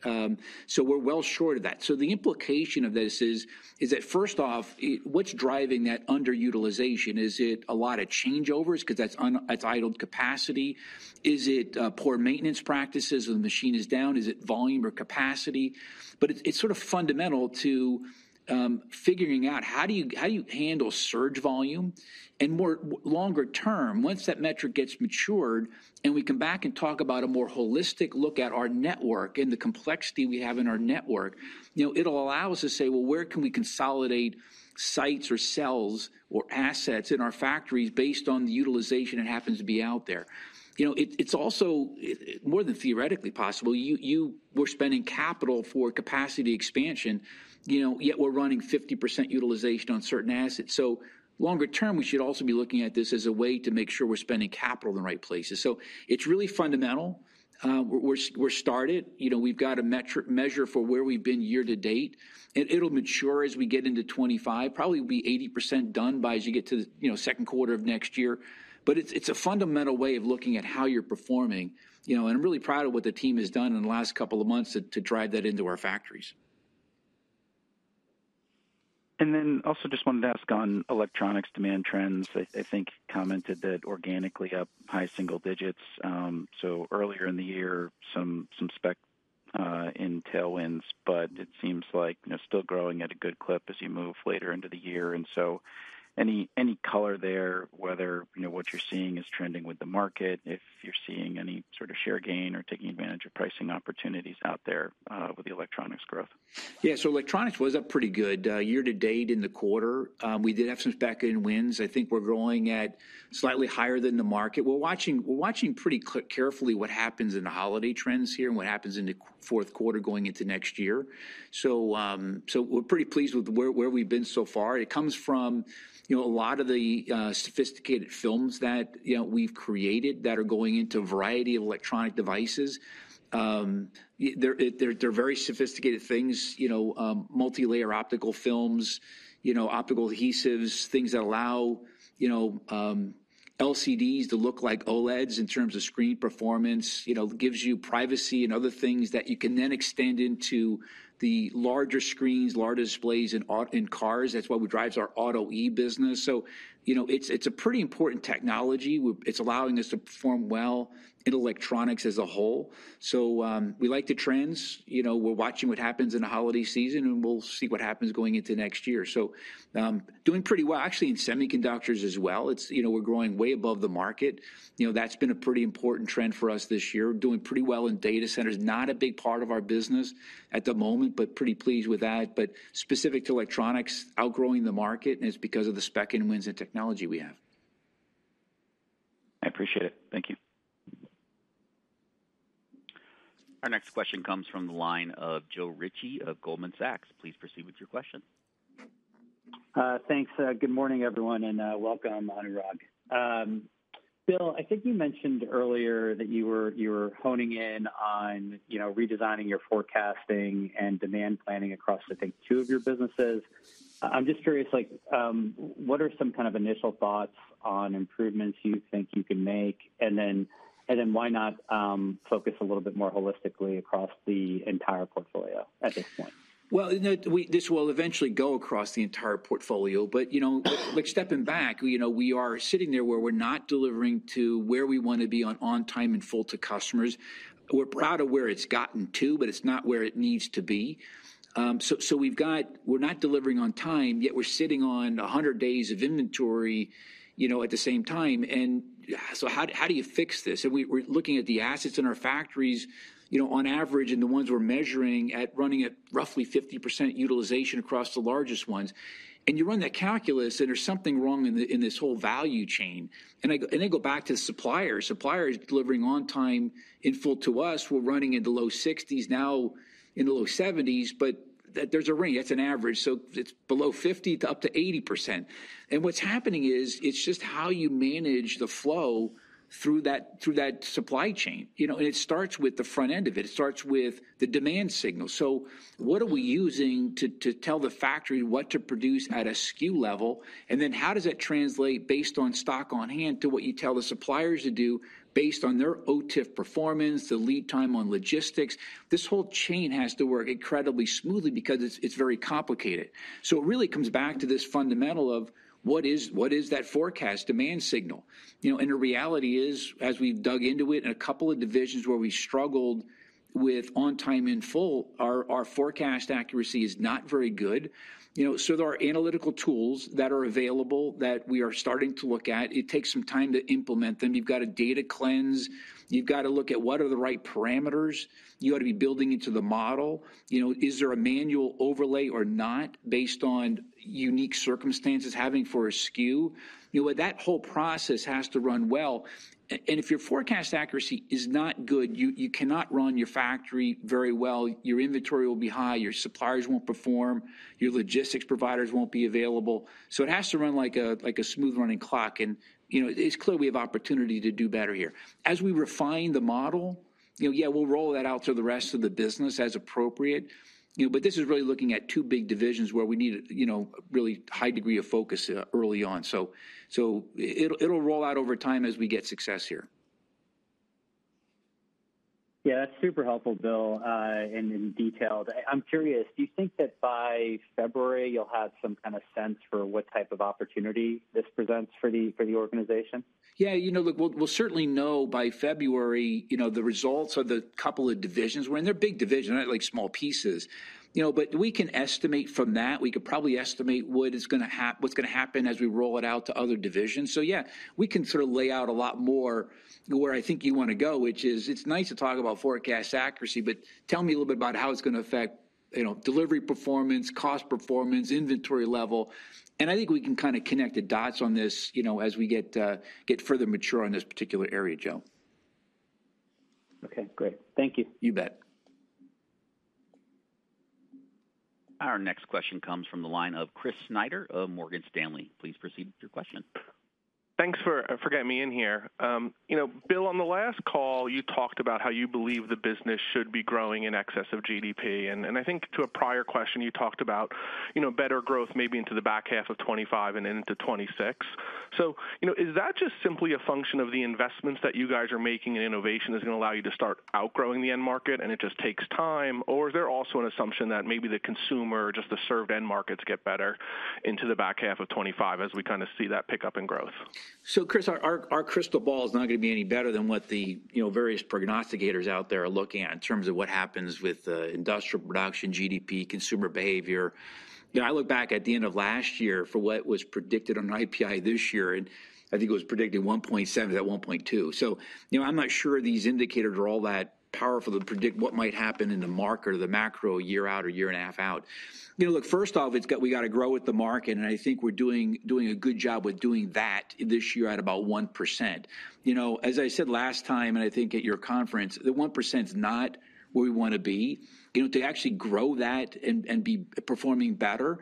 So we're well short of that. So the implication of this is that, first off, what's driving that underutilization? Is it a lot of changeovers? 'Cause that's idled capacity. Is it poor maintenance practices, so the machine is down? Is it volume or capacity? But it's sort of fundamental to figuring out how do you handle surge volume? More longer term, once that metric gets matured and we come back and talk about a more holistic look at our network and the complexity we have in our network, you know, it'll allow us to say, "Well, where can we consolidate sites or cells or assets in our factories based on the utilization that happens to be out there?" You know, it's also more than theoretically possible, we're spending capital for capacity expansion, you know, yet we're running 50% utilization on certain assets. Longer term, we should also be looking at this as a way to make sure we're spending capital in the right places. It's really fundamental. We're started. You know, we've got a measure for where we've been year to date, and it'll mature as we get into 2025. Probably will be 80% done by as you get to, you know, second quarter of next year. But it's a fundamental way of looking at how you're performing, you know, and I'm really proud of what the team has done in the last couple of months to drive that into our factories. And then also just wanted to ask on electronics demand trends. I think you commented that organically up high single digits, so earlier in the year, some spec-in tailwinds, but it seems like, you know, still growing at a good clip as you move later into the year. And so any color there, whether, you know, what you're seeing is trending with the market, if you're seeing any sort of share gain or taking advantage of pricing opportunities out there, with the electronics growth? Yeah, so electronics was up pretty good, year to date in the quarter. We did have some back-end wins. I think we're growing at slightly higher than the market. We're watching pretty carefully what happens in the holiday trends here and what happens in the fourth quarter going into next year. So we're pretty pleased with where we've been so far. It comes from, you know, a lot of the sophisticated films that, you know, we've created that are going into a variety of electronic devices. They're very sophisticated things, you know, multilayer optical films, you know, optical adhesives, things that allow, you know... LCDs to look like OLEDs in terms of screen performance, you know, gives you privacy and other things that you can then extend into the larger screens, larger displays in cars. That's what we drives our Auto E business. So, you know, it's a pretty important technology. It's allowing us to perform well in electronics as a whole. So, we like the trends. You know, we're watching what happens in the holiday season, and we'll see what happens going into next year. So, doing pretty well, actually, in semiconductors as well. It's, you know, we're growing way above the market. You know, that's been a pretty important trend for us this year. We're doing pretty well in data centers. Not a big part of our business at the moment, but pretty pleased with that. But specific to electronics, outgrowing the market, and it's because of the spec and wins and technology we have. I appreciate it. Thank you. Our next question comes from the line of Joe Ritchie of Goldman Sachs. Please proceed with your question. Thanks, good morning, everyone, and welcome, Anurag. Bill, I think you mentioned earlier that you were honing in on, you know, redesigning your forecasting and demand planning across, I think, two of your businesses. I'm just curious, like, what are some kind of initial thoughts on improvements you think you can make? And then why not focus a little bit more holistically across the entire portfolio at this point? You know, this will eventually go across the entire portfolio, but, you know, like, stepping back, you know, we are sitting there where we're not delivering to where we wanna be on time and full to customers. We're proud of where it's gotten to, but it's not where it needs to be. We're not delivering on time, yet we're sitting on 100 days of inventory, you know, at the same time, and so how do you fix this? And we're looking at the assets in our factories, you know, on average, and the ones we're measuring running at roughly 50% utilization across the largest ones. And you run that calculus, and there's something wrong in this whole value chain. And I go back to the suppliers. Suppliers delivering on time in full to us, we're running in the low 60s% now, in the low 70s%, but that there's a range. That's an average, so it's below 50% to up to 80%. And what's happening is, it's just how you manage the flow through that, through that supply chain. You know, and it starts with the front end of it. It starts with the demand signal. So what are we using to, to tell the factory what to produce at a SKU level, and then how does that translate based on stock on hand to what you tell the suppliers to do based on their OTIF performance, the lead time on logistics? This whole chain has to work incredibly smoothly because it's, it's very complicated. So it really comes back to this fundamental of what is, what is that forecast demand signal? You know, and the reality is, as we've dug into it, in a couple of divisions where we struggled with on time in full, our forecast accuracy is not very good. You know, so there are analytical tools that are available that we are starting to look at. It takes some time to implement them. You've got to data cleanse. You've got to look at what are the right parameters you ought to be building into the model. You know, is there a manual overlay or not based on unique circumstances, having for a SKU? You know what? That whole process has to run well. And if your forecast accuracy is not good, you cannot run your factory very well. Your inventory will be high, your suppliers won't perform, your logistics providers won't be available. So it has to run like a smooth-running clock, and, you know, it's clear we have opportunity to do better here. As we refine the model, you know, yeah, we'll roll that out to the rest of the business as appropriate. You know, but this is really looking at two big divisions where we need, you know, a really high degree of focus early on. So it'll roll out over time as we get success here. Yeah, that's super helpful, Bill, and in detail. I'm curious, do you think that by February you'll have some kind of sense for what type of opportunity this presents for the organization? Yeah, you know, look, we'll certainly know by February, you know, the results of the couple of divisions we're in. They're big divisions, not, like, small pieces. You know, but we can estimate from that. We could probably estimate what's gonna happen as we roll it out to other divisions. So yeah, we can sort of lay out a lot more where I think you wanna go, which is, it's nice to talk about forecast accuracy, but tell me a little bit about how it's gonna affect, you know, delivery performance, cost performance, inventory level. And I think we can kind of connect the dots on this, you know, as we get further mature in this particular area, Joe. Okay, great. Thank you. You bet. Our next question comes from the line of Chris Snyder of Morgan Stanley. Please proceed with your question. Thanks for getting me in here. You know, Bill, on the last call, you talked about how you believe the business should be growing in excess of GDP. And I think to a prior question, you talked about, you know, better growth maybe into the back half of 2025 and into 2026. So, you know, is that just simply a function of the investments that you guys are making, and innovation is gonna allow you to start outgrowing the end market, and it just takes time? Or is there also an assumption that maybe the consumer, just the served end markets, get better into the back half of 2025 as we kind of see that pickup in growth? So, Chris, our crystal ball is not gonna be any better than what the, you know, various prognosticators out there are looking at in terms of what happens with industrial production, GDP, consumer behavior. You know, I look back at the end of last year for what was predicted on IPI this year, and I think it was predicted 1.7-1.2. So, you know, I'm not sure these indicators are all that powerful to predict what might happen in the market or the macro, year out or year and a half out. You know, look, first off, we gotta grow with the market, and I think we're doing a good job with doing that this year at about 1%. You know, as I said last time, and I think at your conference, the 1%'s not where we wanna be. You know, to actually grow that and be performing better,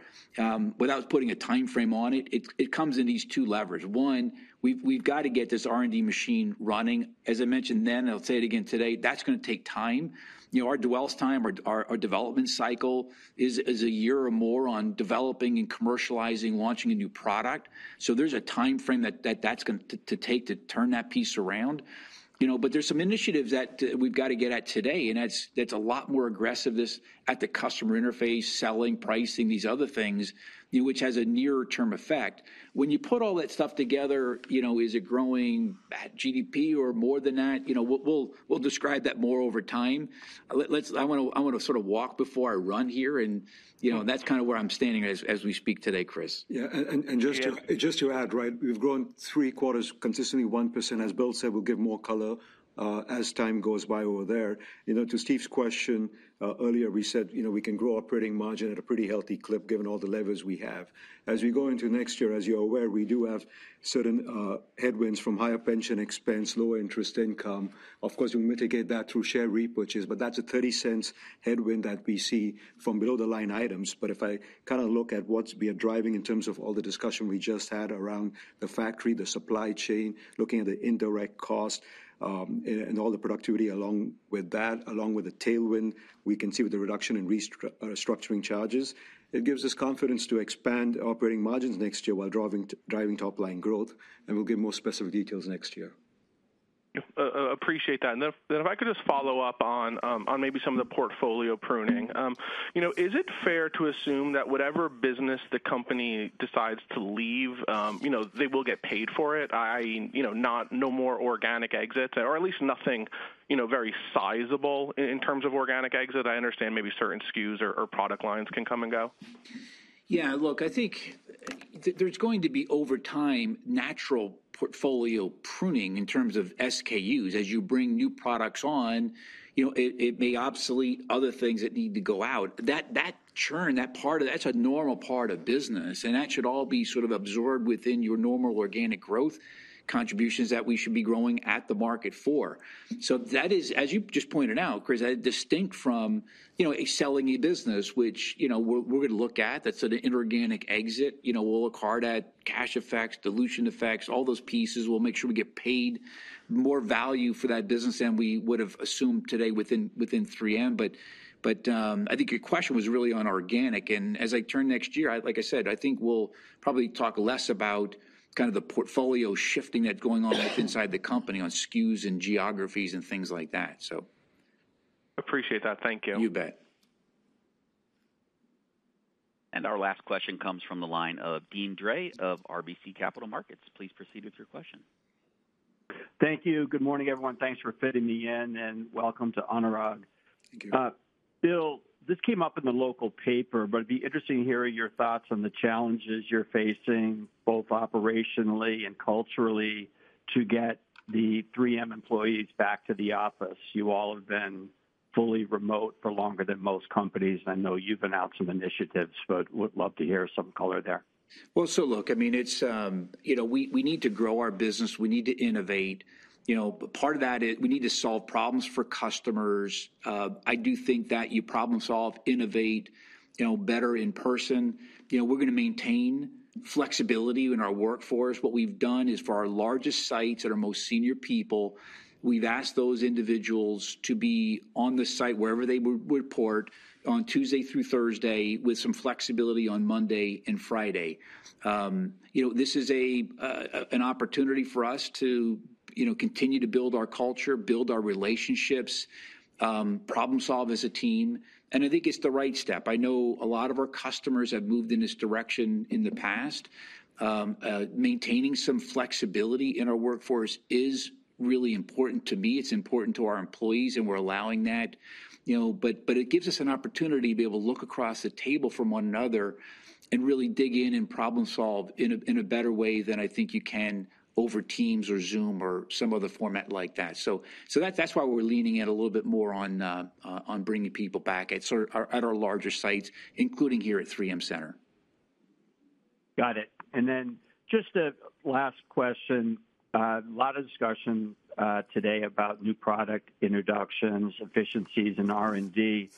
without putting a timeframe on it, it comes in these two levers. One, we've got to get this R&D machine running. As I mentioned then, and I'll say it again today, that's gonna take time. You know, our dwell time, our development cycle is a year or more on developing and commercializing, launching a new product. So there's a timeframe that's going to take to turn that piece around. You know, but there's some initiatives that we've got to get at today, and that's a lot more aggressiveness at the customer interface, selling, pricing, these other things, which has a nearer term effect. When you put all that stuff together, you know, is it growing half GDP or more than that, you know, we'll describe that more over time. Let's. I wanna sort of walk before I run here, and, you know, that's kind of where I'm standing as we speak today, Chris. Yeah, just to- Yeah... just to add, right, we've grown three quarters, consistently 1%. As Bill said, we'll give more color, as time goes by over there. You know, to Steve's question, earlier, we said, you know, we can grow operating margin at a pretty healthy clip, given all the levers we have. As we go into next year, as you're aware, we do have certain, headwinds from higher pension expense, lower interest income. Of course, we mitigate that through share repurchases, but that's a $0.30 headwind that we see from below-the-line items. But if I kinda look at what we are driving in terms of all the discussion we just had around the factory, the supply chain, looking at the indirect cost, and all the productivity along with that, along with the tailwind we can see with the reduction in restructuring charges, it gives us confidence to expand operating margins next year while driving top-line growth, and we'll give more specific details next year. Appreciate that. And then if I could just follow up on maybe some of the portfolio pruning. You know, is it fair to assume that whatever business the company decides to leave, you know, they will get paid for it? i.e., you know, not no more organic exits, or at least nothing, you know, very sizable in terms of organic exit. I understand maybe certain SKUs or product lines can come and go. Yeah, look, I think there's going to be, over time, natural portfolio pruning in terms of SKUs. As you bring new products on, you know, it may obsolete other things that need to go out. That churn, that part of that, that's a normal part of business, and that should all be sort of absorbed within your normal organic growth contributions that we should be growing at the market for. So that is, as you just pointed out, Chris, distinct from, you know, a selling a business, which, you know, we're gonna look at. That's an inorganic exit. You know, we'll look hard at cash effects, dilution effects, all those pieces. We'll make sure we get paid more value for that business than we would've assumed today within 3M. I think your question was really on organic, and as I turn next year, like I said, I think we'll probably talk less about kind of the portfolio shifting that's going on inside the company on SKUs and geographies and things like that, so. Appreciate that. Thank you. You bet. And our last question comes from the line of Deane Dray of RBC Capital Markets. Please proceed with your question. Thank you. Good morning, everyone. Thanks for fitting me in, and welcome to Anurag. Thank you. Bill, this came up in the local paper, but it'd be interesting hearing your thoughts on the challenges you're facing, both operationally and culturally, to get the 3M employees back to the office. You all have been fully remote for longer than most companies. I know you've announced some initiatives, but would love to hear some color there. Look, I mean, it's, you know, we need to grow our business. We need to innovate. You know, part of that is we need to solve problems for customers. I do think that you problem-solve, innovate, you know, better in person. You know, we're gonna maintain flexibility in our workforce. What we've done is, for our largest sites that are most senior people, we've asked those individuals to be on the site, wherever they would report, on Tuesday through Thursday, with some flexibility on Monday and Friday. You know, this is an opportunity for us to, you know, continue to build our culture, build our relationships, problem-solve as a team, and I think it's the right step. I know a lot of our customers have moved in this direction in the past. Maintaining some flexibility in our workforce is really important to me. It's important to our employees, and we're allowing that. You know, but it gives us an opportunity to be able to look across the table from one another and really dig in and problem solve in a better way than I think you can over Teams or Zoom or some other format like that. So that's why we're leaning in a little bit more on bringing people back at sort of our larger sites, including here at 3M Center. Got it. And then just a last question. A lot of discussion today about new product introductions, efficiencies, and R&D.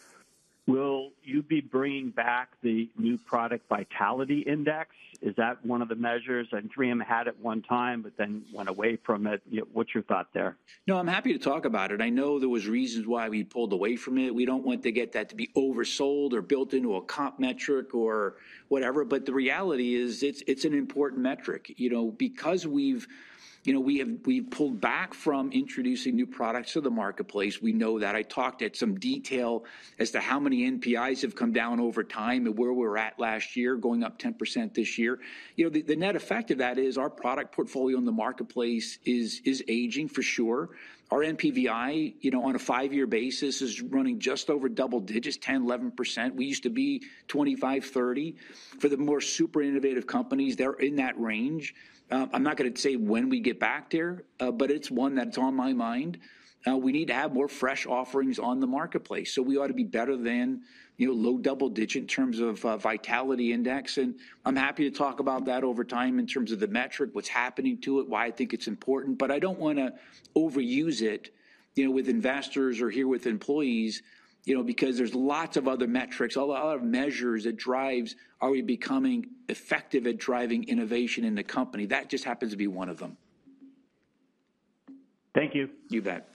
Will you be bringing back the new product vitality index? Is that one of the measures, and 3M had at one time, but then went away from it? You know, what's your thought there? No, I'm happy to talk about it. I know there was reasons why we pulled away from it. We don't want to get that to be oversold or built into a comp metric or whatever, but the reality is, it's an important metric. You know, because you know, we've pulled back from introducing new products to the marketplace, we know that. I talked at some detail as to how many NPIs have come down over time and where we were at last year, going up 10% this year. You know, the net effect of that is our product portfolio in the marketplace is aging for sure. Our NPVI, you know, on a five-year basis, is running just over double digits, 10-11%. We used to be 25-30%. For the more super innovative companies, they're in that range. I'm not gonna say when we get back there, but it's one that's on my mind. We need to have more fresh offerings on the marketplace, so we ought to be better than, you know, low double digit in terms of, vitality index. And I'm happy to talk about that over time in terms of the metric, what's happening to it, why I think it's important, but I don't wanna overuse it, you know, with investors or here with employees, you know, because there's lots of other metrics, a lot, a lot of measures that drives are we becoming effective at driving innovation in the company? That just happens to be one of them. Thank you. You bet.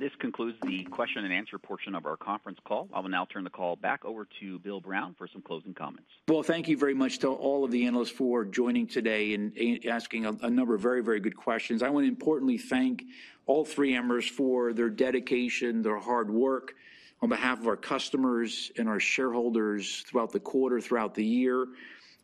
This concludes the question and answer portion of our conference call. I will now turn the call back over to Bill Brown for some closing comments. Thank you very much to all of the analysts for joining today and asking a number of very, very good questions. I wanna importantly thank all 3Mers for their dedication, their hard work on behalf of our customers and our shareholders throughout the quarter, throughout the year,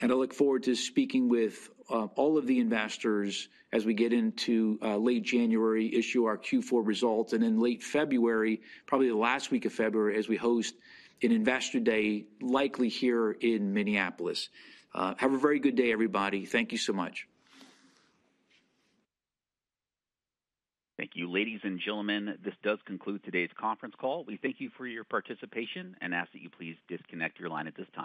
and I look forward to speaking with all of the investors as we get into late January, issue our Q4 results, and in late February, probably the last week of February, as we host an Investor Day, likely here in Minneapolis. Have a very good day, everybody. Thank you so much. Thank you. Ladies and gentlemen, this does conclude today's conference call. We thank you for your participation and ask that you please disconnect your line at this time.